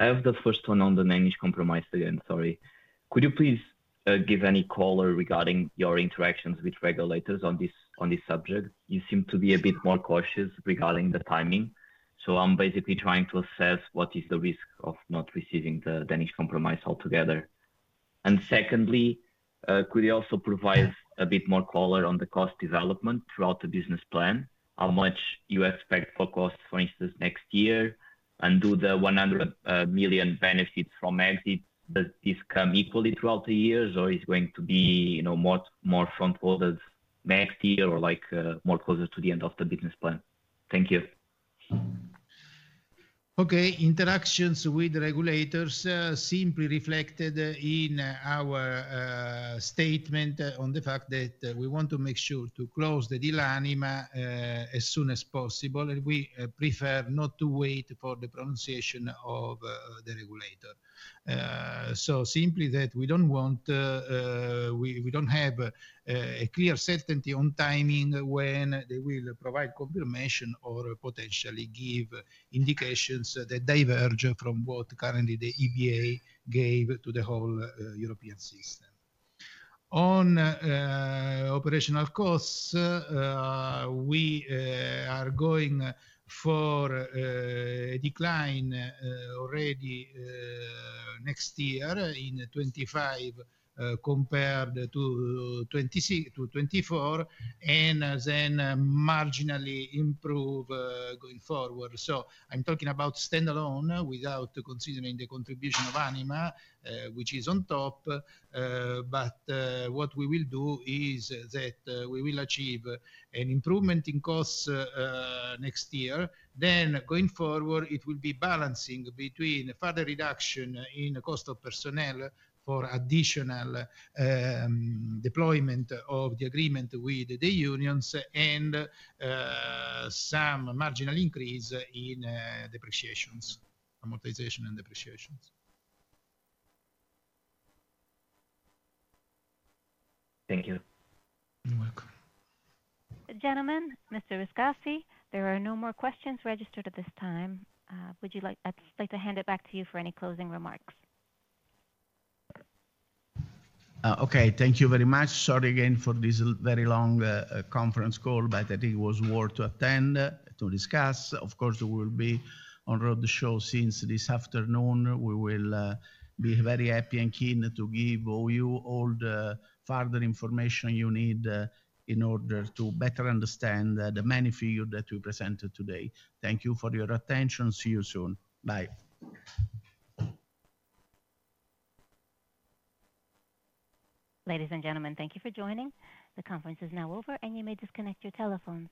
I have the first one on the Danish Compromise again. Sorry. Could you please give any color regarding your interactions with regulators on this subject? You seem to be a bit more cautious regarding the timing. So I'm basically trying to assess what is the risk of not receiving the Danish Compromise altogether. And secondly, could you also provide a bit more color on the cost development throughout the business plan? How much you expect for cost, for instance, next year and do the €100 million benefits from exit? Does this come equally throughout the years or is it going to be more front-loaded next year or more closer to the end of the business plan? Thank you. Okay. Interactions with regulators simply reflected in our statement on the fact that we want to make sure to close the deal Anima as soon as possible, and we prefer not to wait for the pronouncement of the regulator, so simply that we don't want, we don't have a clear certainty on timing when they will provide confirmation or potentially give indications that diverge from what currently the EBA gave to the whole European system. On operational costs, we are going for a decline already next year in 2025 compared to 2024 and then marginally improve going forward, so I'm talking about standalone without considering the contribution of Anima, which is on top, but what we will do is that we will achieve an improvement in costs next year. Then going forward, it will be balancing between further reduction in the cost of personnel for additional deployment of the agreement with the unions and some marginal increase in depreciations, amortization, and depreciations. Thank you. You're welcome. Gentlemen, Mr. Riscassi, there are no more questions registered at this time. I'd like to hand it back to you for any closing remarks. Okay. Thank you very much. Sorry again for this very long conference call, but I think it was worth to attend, to discuss. Of course, we will be on roadshow since this afternoon. We will be very happy and keen to give you all the further information you need in order to better understand the many figures that we presented today. Thank you for your attention. See you soon. Bye. Ladies and gentlemen, thank you for joining. The conference is now over, and you may disconnect your telephones.